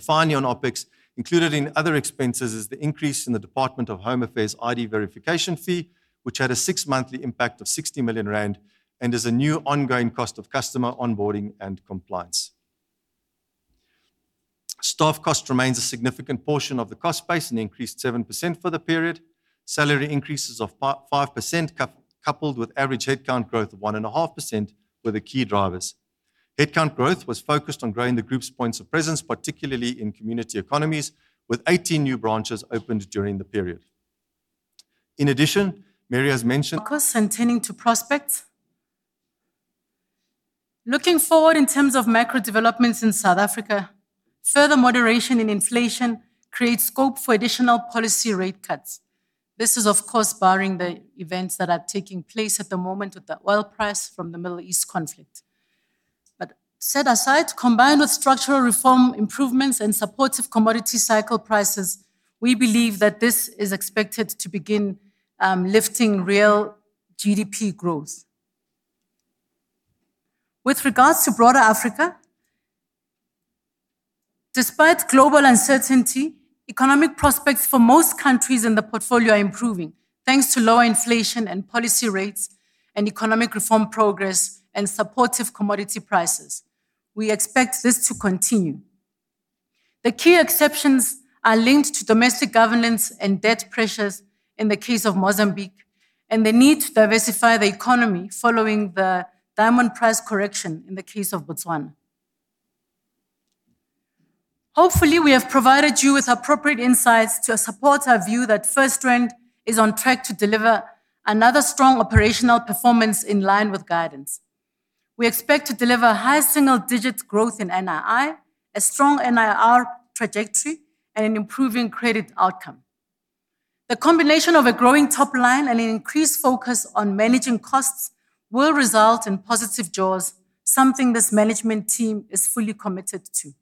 Finally on OpEx, included in other expenses is the increase in the Department of Home Affairs ID verification fee, which had a six-monthly impact of 60 million rand and is a new ongoing cost of customer onboarding and compliance. Staff cost remains a significant portion of the cost base and increased 7% for the period. Salary increases of 5% coupled with average headcount growth of 1.5% were the key drivers. Headcount growth was focused on growing the group's points of presence, particularly in community economies, with 18 new branches opened during the period. In addition, Mary has mentioned. Focus and tending to prospects. Looking forward in terms of macro developments in South Africa, further moderation in inflation creates scope for additional policy rate cuts. This is of course barring the events that are taking place at the moment with the oil price from the Middle East conflict. Set aside, combined with structural reform improvements and supportive commodity cycle prices, we believe that this is expected to begin lifting real GDP growth. With regards to broader Africa, despite global uncertainty, economic prospects for most countries in the portfolio are improving, thanks to lower inflation and policy rates and economic reform progress and supportive commodity prices. We expect this to continue. The key exceptions are linked to domestic governance and debt pressures in the case of Mozambique, and the need to diversify the economy following the diamond price correction in the case of Botswana. Hopefully, we have provided you with appropriate insights to support our view that FirstRand is on track to deliver another strong operational performance in line with guidance. We expect to deliver high single-digit growth in NII, a strong NIR trajectory, and an improving credit outcome. The combination of a growing top line and an increased focus on managing costs will result in positive jaws, something this management team is fully committed to.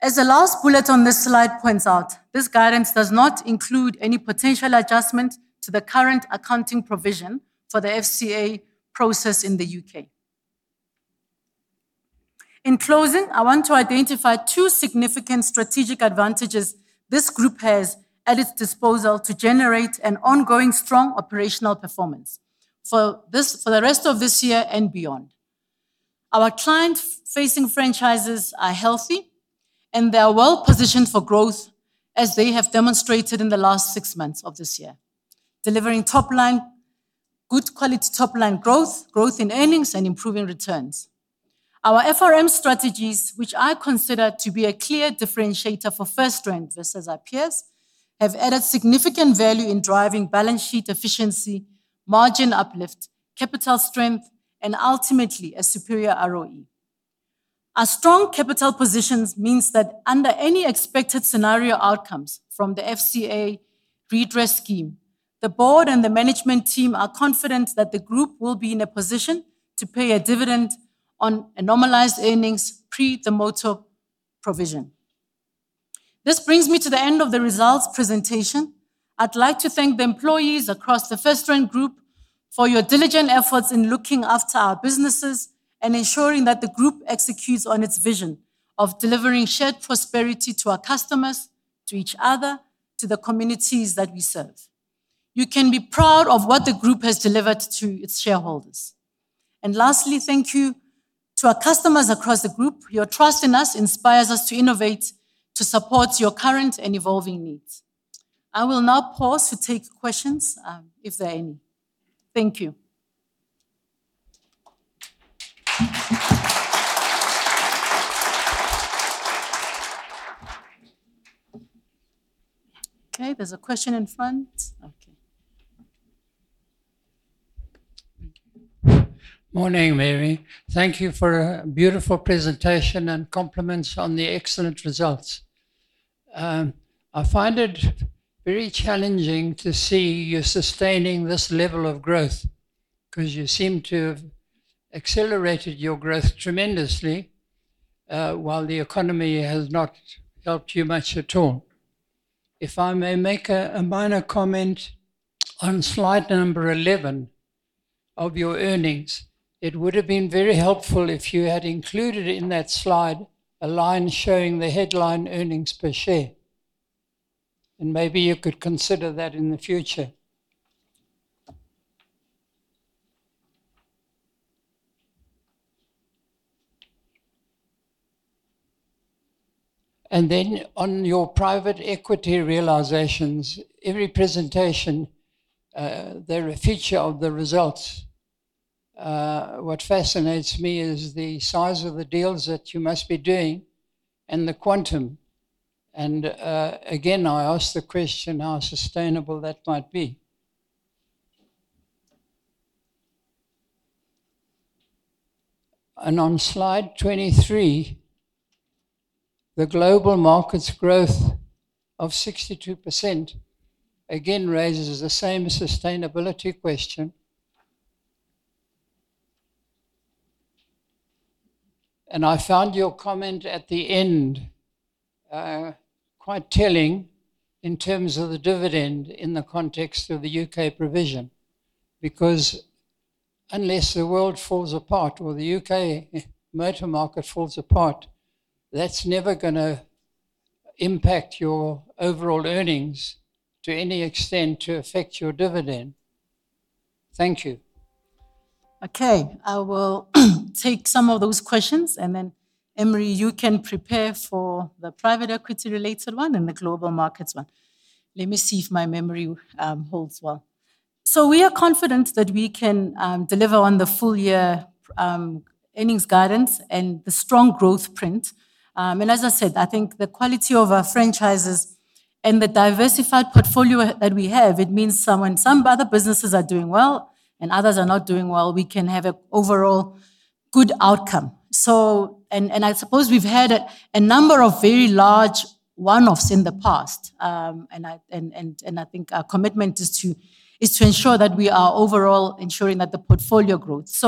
As the last bullet on this slide points out, this guidance does not include any potential adjustment to the current accounting provision for the FCA process in the U.K. In closing, I want to identify two significant strategic advantages this Group has at its disposal to generate an ongoing strong operational performance for the rest of this year and beyond. Our client-facing franchises are healthy, they are well-positioned for growth, as they have demonstrated in the last six months of this year, delivering good quality top-line growth in earnings, and improving returns. Our FRM strategies, which I consider to be a clear differentiator for FirstRand versus our peers, have added significant value in driving balance sheet efficiency, margin uplift, capital strength, and ultimately a superior ROE. Our strong capital positions means that under any expected scenario outcomes from the FCA redress scheme, the board and the management team are confident that the group will be in a position to pay a dividend on a normalized earnings pre the motor provision. This brings me to the end of the results presentation. I'd like to thank the employees across the FirstRand Group for your diligent efforts in looking after our businesses and ensuring that the group executes on its vision of delivering shared prosperity to our customers, to each other, to the communities that we serve. You can be proud of what the group has delivered to its shareholders. Lastly, thank you to our customers across the group. Your trust in us inspires us to innovate to support your current and evolving needs. I will now pause to take questions, if there are any. Thank you. Okay, there's a question in front. Okay. Morning, Mary. Thank you for a beautiful presentation and compliments on the excellent results. I find it very challenging to see you sustaining this level of growth because you seem to have accelerated your growth tremendously while the economy has not helped you much at all. If I may make a minor comment on slide number 11 of your earnings, it would have been very helpful if you had included in that slide a line showing the headline earnings per share. Maybe you could consider that in the future. On your private equity realizations, every presentation, they're a feature of the results. What fascinates me is the size of the deals that you must be doing and the quantum. Again, I ask the question how sustainable that might be. On slide 23, the global markets growth of 62% again raises the same sustainability question. I found your comment at the end, quite telling in terms of the dividend in the context of the U.K. provision, because unless the world falls apart or the U.K. motor market falls apart, that's never gonna impact your overall earnings to any extent to affect your dividend. Thank you. Okay. I will take some of those questions, and then Emrie, you can prepare for the private equity related one and the global markets one. Let me see if my memory holds well. We are confident that we can deliver on the full year earnings guidance and the strong growth print. As I said, I think the quality of our franchises and the diversified portfolio that we have, it means some, when some other businesses are doing well and others are not doing well, we can have a overall good outcome. I suppose we've had a number of very large one-offs in the past. I think our commitment is to ensure that we are overall ensuring that the portfolio grows.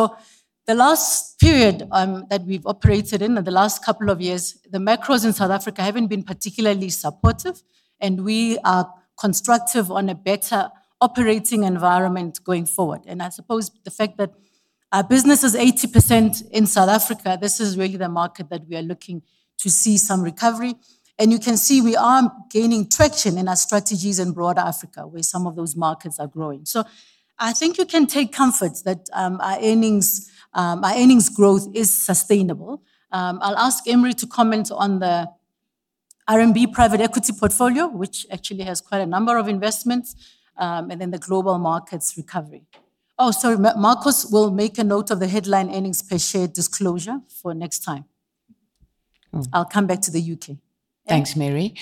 The last period, that we've operated in or the last couple of years, the macros in South Africa haven't been particularly supportive, and we are constructive on a better operating environment going forward. I suppose the fact that our business is 80% in South Africa, this is really the market that we are looking to see some recovery. You can see we are gaining traction in our strategies in broader Africa, where some of those markets are growing. I think you can take comfort that our earnings, our earnings growth is sustainable. I'll ask Emrie to comment on the RMB private equity portfolio, which actually has quite a number of investments, and then the global markets recovery. Oh, sorry. Markos will make a note of the headline earnings per share disclosure for next time. Mm. I'll come back to the U.K. Emrie? Thanks, Mary.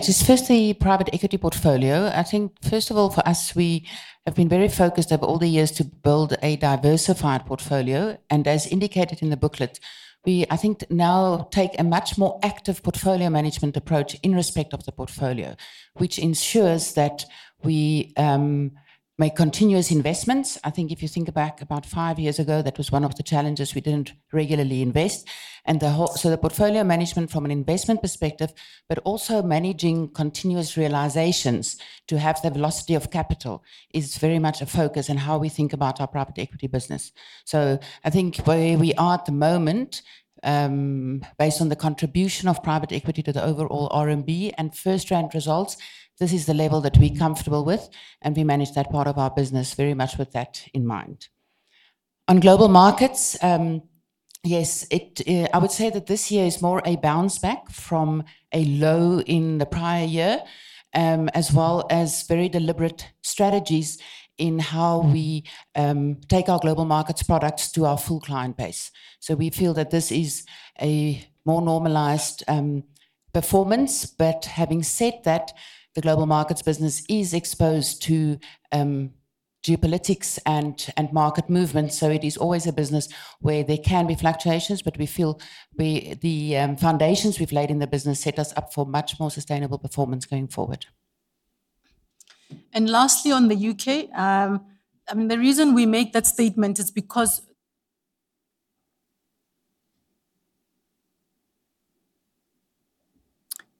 just first the private equity portfolio. I think first of all for us, we have been very focused over all the years to build a diversified portfolio. As indicated in the booklet, we I think now take a much more active portfolio management approach in respect of the portfolio, which ensures that we make continuous investments. I think if you think back about five years ago that was one of the challenges. We didn't regularly invest. The portfolio management from an investment perspective, but also managing continuous realizations to have the velocity of capital is very much a focus in how we think about our private equity business. I think where we are at the moment, based on the contribution of private equity to the overall RMB and FirstRand results, this is the level that we're comfortable with, and we manage that part of our business very much with that in mind. On global markets, yes, I would say that this year is more a bounce back from a low in the prior year, as well as very deliberate strategies in how we take our global markets products to our full client base. We feel that this is a more normalized performance. Having said that, the global markets business is exposed to geopolitics and market movements, so it is always a business where there can be fluctuations. We feel we, the, foundations we've laid in the business set us up for much more sustainable performance going forward. Lastly, on the U.K. I mean, the reason we make that statement is because.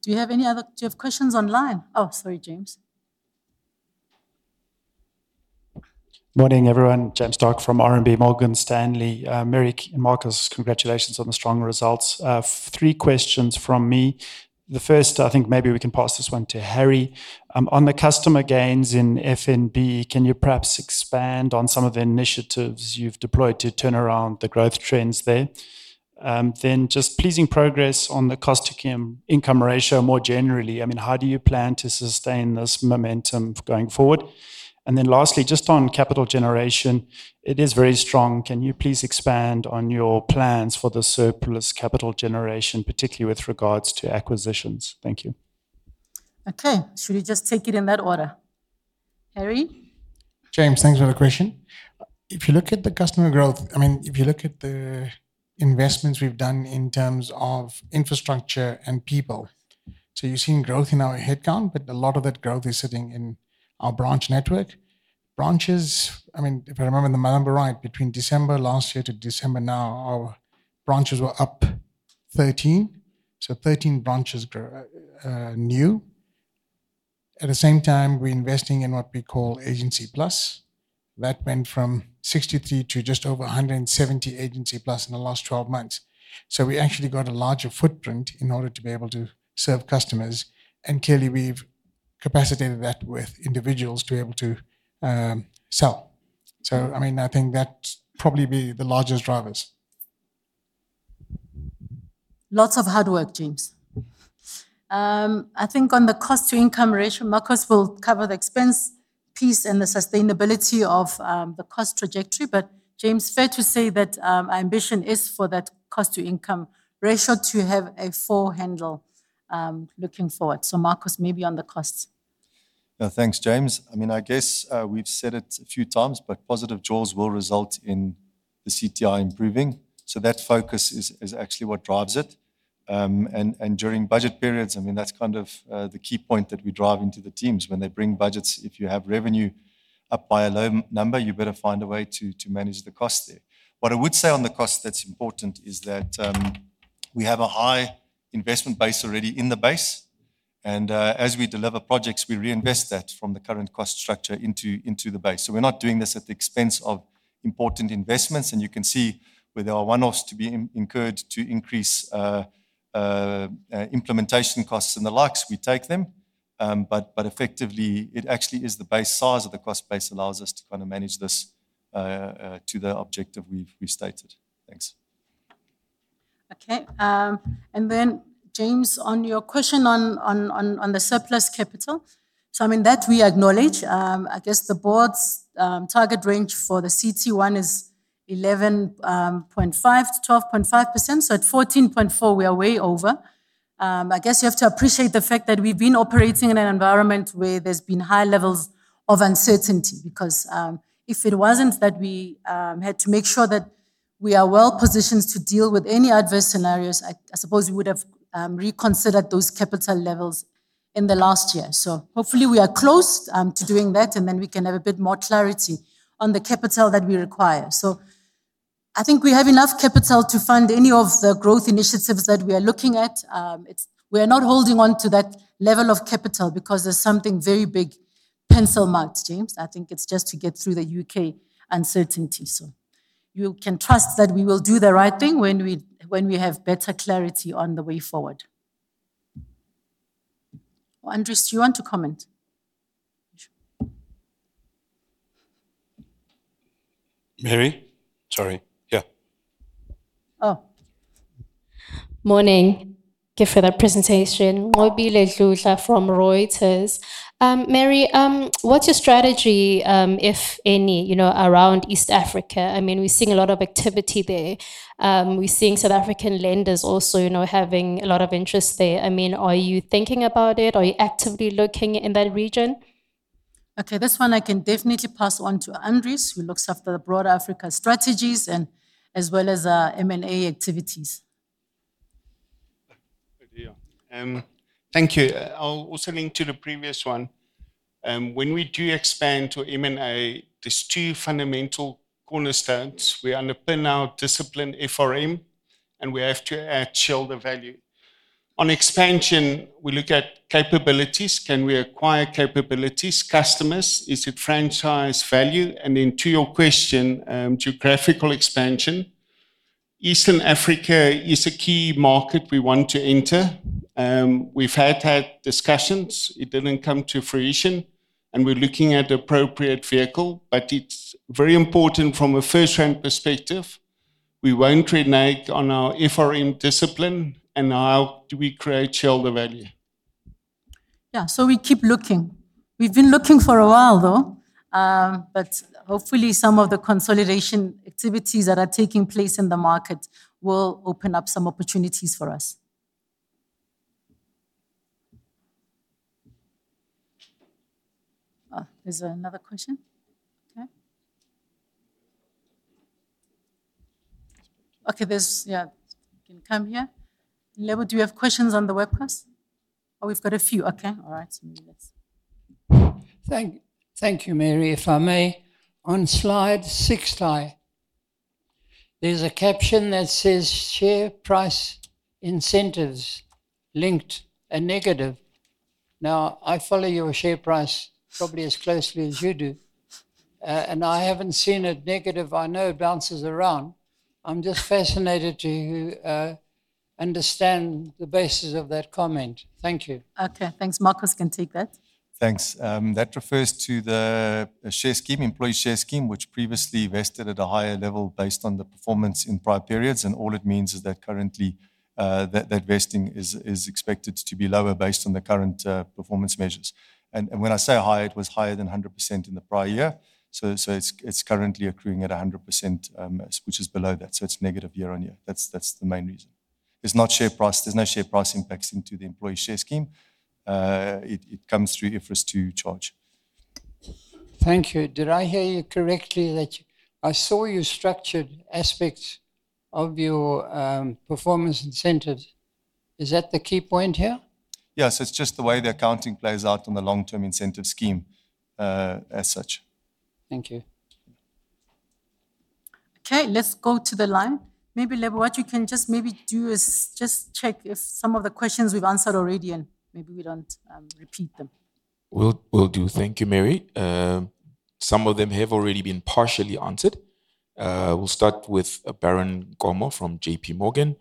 Do you have questions online? Sorry, James. Morning, everyone. James Starke from RMB Morgan Stanley. Mary and Markos, congratulations on the strong results. Three questions from me. The first, I think maybe we can pass this one to Harry. On the customer gains in FNB, can you perhaps expand on some of the initiatives you've deployed to turn around the growth trends there? Just pleasing progress on the cost to income ratio more generally. I mean, how do you plan to sustain this momentum going forward? Lastly, just on capital generation, it is very strong. Can you please expand on your plans for the surplus capital generation, particularly with regards to acquisitions? Thank you. Okay. Should we just take it in that order? Harry? James, thanks for the question. If you look at the customer growth, I mean, if you look at the investments we've done in terms of infrastructure and people. You're seeing growth in our headcount, but a lot of that growth is sitting in our branch network. Branches, I mean, if I remember the number right, between December last year to December now, our branches were up 13. 13 branches new. At the same time, we're investing in what we call AgencyPlus. That went from 63 to just over 170 AgencyPlus in the last 12 months. We actually got a larger footprint in order to be able to serve customers, and clearly we've capacitated that with individuals to be able to sell. I mean, I think that's probably be the largest drivers. Lots of hard work, James. I think on the cost to income ratio, Markos will cover the expense piece and the sustainability of the cost trajectory. James, fair to say that our ambition is for that cost to income ratio to have a full handle looking forward. Markos, maybe on the costs. Thanks, James. I mean, I guess, we've said it a few times, positive jaws will result in the CTI improving. That focus is actually what drives it. And during budget periods, I mean, that's kind of the key point that we drive into the teams when they bring budgets. If you have revenue up by a low number, you better find a way to manage the cost there. I would say on the cost that's important is that, we have a high investment base already in the base, as we deliver projects, we reinvest that from the current cost structure into the base. We're not doing this at the expense of important investments. You can see where there are one-offs to be incurred to increase implementation costs and the likes, we take them. Effectively, it actually is the base size of the cost base allows us to kind of manage this to the objective we've stated. Thanks. Okay. James, on your question on the surplus capital. I mean, that we acknowledge. I guess the board's target range for the CET1 is 11.5%-12.5%. At 14.4% we are way over. I guess you have to appreciate the fact that we've been operating in an environment where there's been high levels of uncertainty because if it wasn't that we had to make sure that we are well-positioned to deal with any adverse scenarios, I suppose we would have reconsidered those capital levels in the last year. Hopefully we are close to doing that, and then we can have a bit more clarity on the capital that we require. I think we have enough capital to fund any of the growth initiatives that we are looking at. We are not holding onto that level of capital because there's something very big pencil marked, James. I think it's just to get through the U.K. uncertainty. You can trust that we will do the right thing when we have better clarity on the way forward. Andries, do you want to comment? Mary? Sorry. Yeah. Oh. Morning. Thank you for that presentation. Nqobile Dludla from Reuters. Mary, what's your strategy, if any, you know, around East Africa? I mean, we're seeing a lot of activity there. We're seeing South African lenders also, you know, having a lot of interest there. I mean, are you thinking about it? Are you actively looking in that region? Okay. This one I can definitely pass on to Andries, who looks after the broader Africa strategies and as well as M&A activities. Good. Yeah. Thank you. I'll also link to the previous one. When we do expand to M&A, there's two fundamental cornerstones. We underpin our discipline FRM, and we have to add shareholder value. On expansion, we look at capabilities. Can we acquire capabilities, customers? Is it franchise value? Then to your question, geographical expansion, Eastern Africa is a key market we want to enter. We've had discussions. It didn't come to fruition, and we're looking at appropriate vehicle. It's very important from a FirstRand perspective, we won't renege on our FRM discipline and how do we create shareholder value. Yeah. We keep looking. We've been looking for a while though. Hopefully some of the consolidation activities that are taking place in the market will open up some opportunities for us. There's another question. Okay. Yeah. You can come here. Lebo, do you have questions on the webcast? We've got a few. Okay. All right. Maybe. Thank you, Mary. If I may, on slide six, there's a caption that says, "Share price incentives linked and negative." I follow your share price probably as closely as you do. I haven't seen it negative. I know it bounces around. I'm just fascinated to understand the basis of that comment. Thank you. Okay. Thanks. Markos can take that. Thanks. That refers to the share scheme, employee share scheme, which previously vested at a higher level based on the performance in prior periods. All it means is that currently, that vesting is expected to be lower based on the current performance measures. When I say higher, it was higher than 100% in the prior year. It's currently accruing at 100%, which is below that. It's negative year-on-year. That's the main reason. It's not share price. There's no share price impacts into the employee share scheme. It comes through IFRS 2 charge. Thank you. Did I hear you correctly that I saw you structured aspects of your performance incentives? Is that the key point here? Yes. It's just the way the accounting plays out on the long-term incentive scheme, as such. Thank you. Let's go to the line. Maybe Lebo, what you can just maybe do is just check if some of the questions we've answered already, and maybe we don't repeat them. Will do. Thank you, Mary. Some of them have already been partially answered. We'll start with Baron Nkomo from JPMorgan.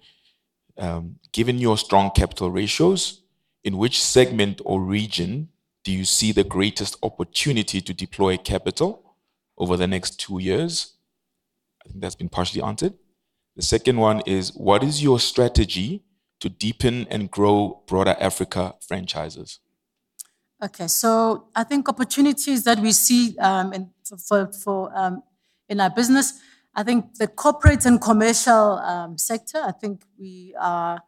Given your strong capital ratios, in which segment or region do you see the greatest opportunity to deploy capital over the next two years? I think that's been partially answered. The second one is, what is your strategy to deepen and grow broader Africa franchises? Okay. I think opportunities that we see in our business, I think the corporate and commercial sector, I think we are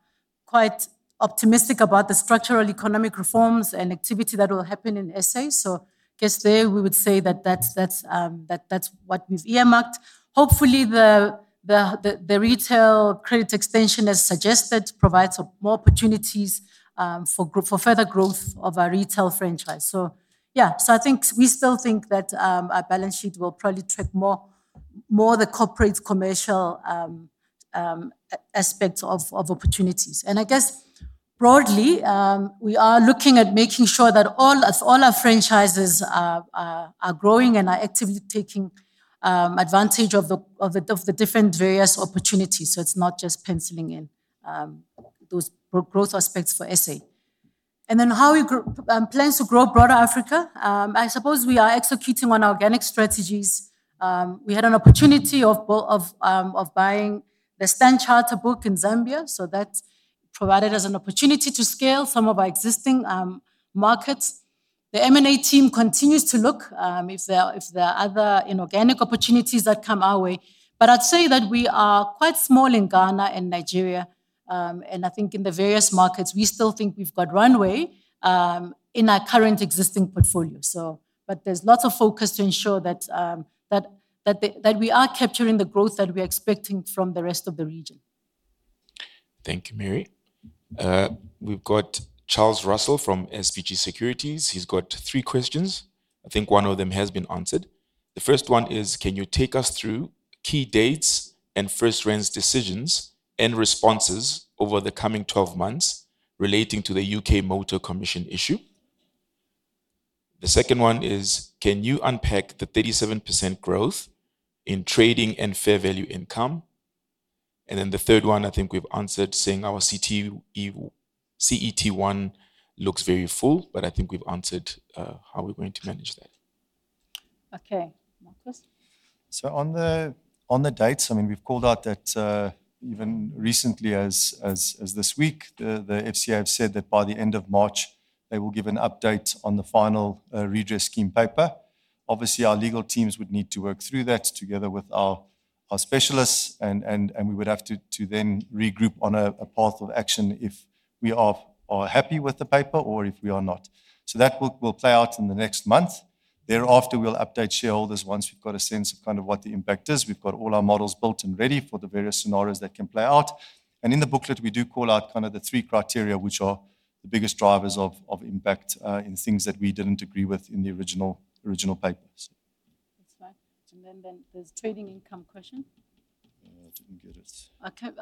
quite optimistic about the structural economic reforms and activity that will happen in SA. I guess there we would say that that's what we've earmarked. Hopefully the retail credit extension, as suggested, provides more opportunities for further growth of our retail franchise. Yeah. I think we still think that our balance sheet will probably track more the corporate commercial aspect of opportunities. I guess broadly, we are looking at making sure that all of our franchises are growing and are actively taking advantage of the different various opportunities. It's not just penciling in those growth aspects for SA. How we plans to grow broader Africa. I suppose we are executing on organic strategies. We had an opportunity of buying the Standard Chartered book in Zambia, that provided us an opportunity to scale some of our existing markets. The M&A team continues to look if there are other inorganic opportunities that come our way. I'd say that we are quite small in Ghana and Nigeria. I think in the various markets, we still think we've got runway in our current existing portfolio. There's lots of focus to ensure that we are capturing the growth that we're expecting from the rest of the region. Thank you, Mary. We've got Charles Russell from SBG Securities. He's got three questions. I think one of them has been answered. The first one is: Can you take us through key dates and FirstRand's decisions and responses over the coming 12 months relating to the U.K. Motor Commission issue? The second one is: Can you unpack the 37% growth in trading and fair value income? The third one, I think we've answered, saying our CET1 looks very full, but I think we've answered how we're going to manage that. Okay. Markos? On the dates, I mean, we've called out that even recently as this week, the FCA have said that by the end of March, they will give an update on the final redress scheme paper. Obviously, our legal teams would need to work through that together with our specialists and we would have to then regroup on a path of action if we are happy with the paper or if we are not. That will play out in the next month. Thereafter, we'll update shareholders once we've got a sense of kind of what the impact is. We've got all our models built and ready for the various scenarios that can play out. In the booklet, we do call out kind of the three criteria, which are the biggest drivers of impact, in things that we didn't agree with in the original papers. That's fine. Then there's trading income question. Didn't get it. Okay.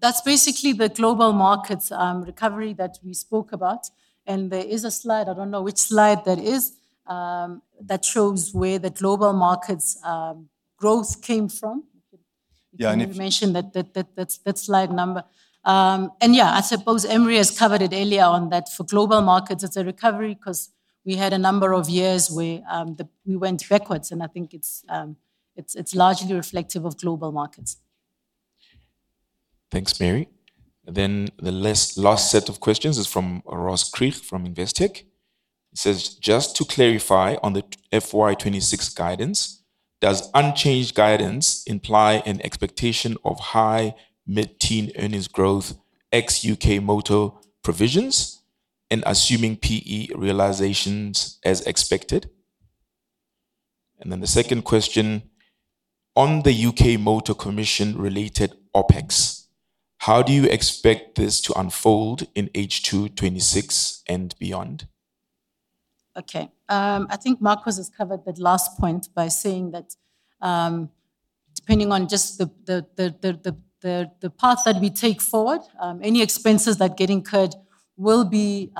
That's basically the global markets recovery that we spoke about. There is a slide, I don't know which slide that is, that shows where the global markets growth came from. Yeah. Can you mention that slide number? Yeah, I suppose Emrie has covered it earlier on that for global markets, it's a recovery 'cause we had a number of years where, the, we went backwards and I think it's largely reflective of global markets. Thanks, Mary. The last set of questions is from Ross Krige from Investec. It says, "Just to clarify on the FY 2026 guidance, does unchanged guidance imply an expectation of high mid-teen earnings growth ex U.K. Motor provisions and assuming PE realizations as expected?" The second question, "On the U.K. Motor Commission related OpEx, how do you expect this to unfold in H2 2026 and beyond? Okay. I think Markos has covered that last point by saying that, depending on just the path that we take forward, any expenses that get incurred will be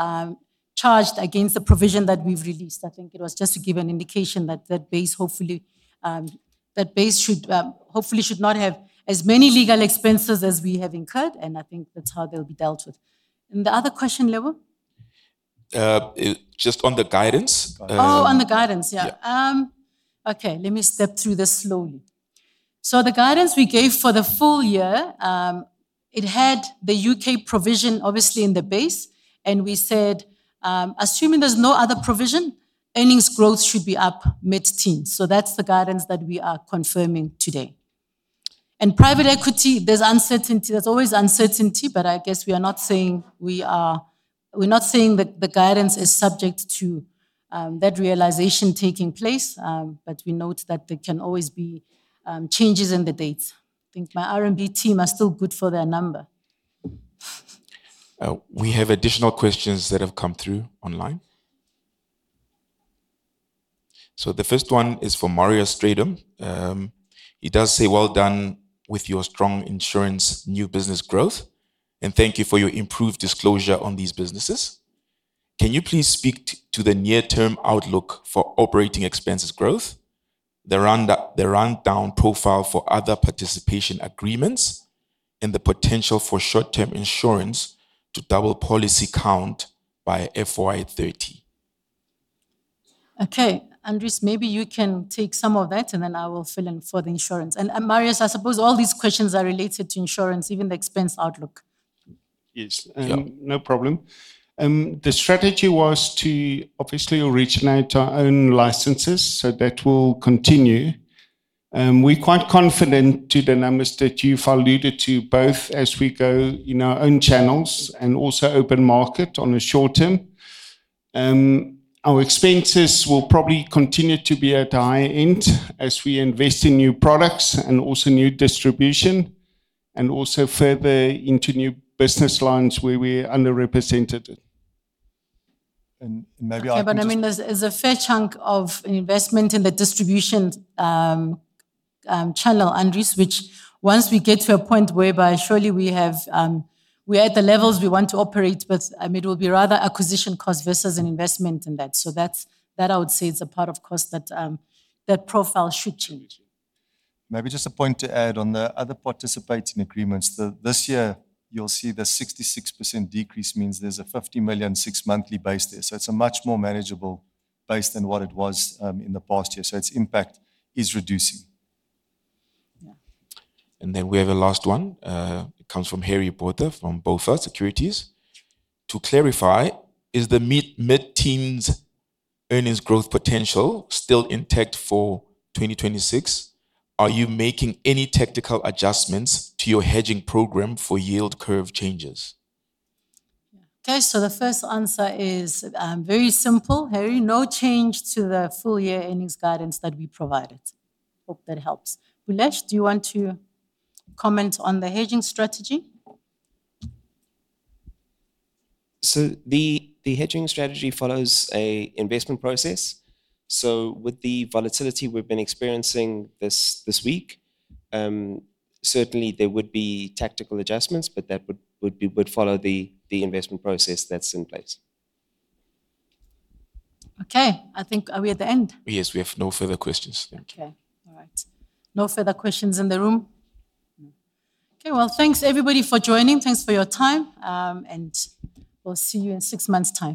charged against the provision that we've released. I think it was just to give an indication that that base, hopefully, that base should, hopefully should not have as many legal expenses as we have incurred, and I think that's how they'll be dealt with. The other question, Lebo? Just on the guidance. Oh, on the guidance. Yeah. Yeah. Okay. Let me step through this slowly. The guidance we gave for the full year, it had the U.K. provision obviously in the base, and we said, assuming there's no other provision, earnings growth should be up mid-teens. That's the guidance that we are confirming today. In private equity, there's uncertainty. There's always uncertainty, but I guess we're not saying that the guidance is subject to that realization taking place. We note that there can always be changes in the dates. I think my RMB team are still good for their number. We have additional questions that have come through online. The first one is from Marius Strydom. He does say, "Well done with your strong insurance new business growth, and thank you for your improved disclosure on these businesses. Can you please speak to the near term outlook for operating expenses growth, the rundown profile for other participation agreements, and the potential for short-term insurance to double policy count by FY 2030? Andries, maybe you can take some of that, and then I will fill in for the insurance. Marius, I suppose all these questions are related to insurance, even the expense outlook. Yes. Yeah. No problem. The strategy was to obviously originate our own licenses, so that will continue. We're quite confident to the numbers that you've alluded to, both as we go in our own channels and also open market on the short term. Our expenses will probably continue to be at the high end as we invest in new products and also new distribution, and also further into new business lines where we're underrepresented. Okay. I mean, there's a fair chunk of investment in the distribution channel, Andries, which once we get to a point whereby surely we have, we're at the levels we want to operate, but it will be rather acquisition cost versus an investment in that. That's, that I would say is a part, of course, that profile should change. Just a point to add on the other participating agreements. This year, you'll see the 66% decrease means there's a 50 million six monthly base there. It's a much more manageable base than what it was in the past year. Its impact is reducing. Yeah. Then we have a last one. It comes from Harry Botha from BofA Securities. "To clarify, is the mid-teen's earnings growth potential still intact for 2026? Are you making any tactical adjustments to your hedging program for yield curve changes? Okay. The first answer is very simple, Harry. No change to the full year earnings guidance that we provided. Hope that helps. Bhulesh, do you want to comment on the hedging strategy? The hedging strategy follows an investment process. With the volatility we've been experiencing this week, certainly there would be tactical adjustments, but that would be, would follow the investment process that's in place. Okay. I think are we at the end? Yes. We have no further questions. Thank you. Okay. All right. No further questions in the room? No. Okay. Well, thanks everybody for joining. Thanks for your time. We'll see you in six months' time.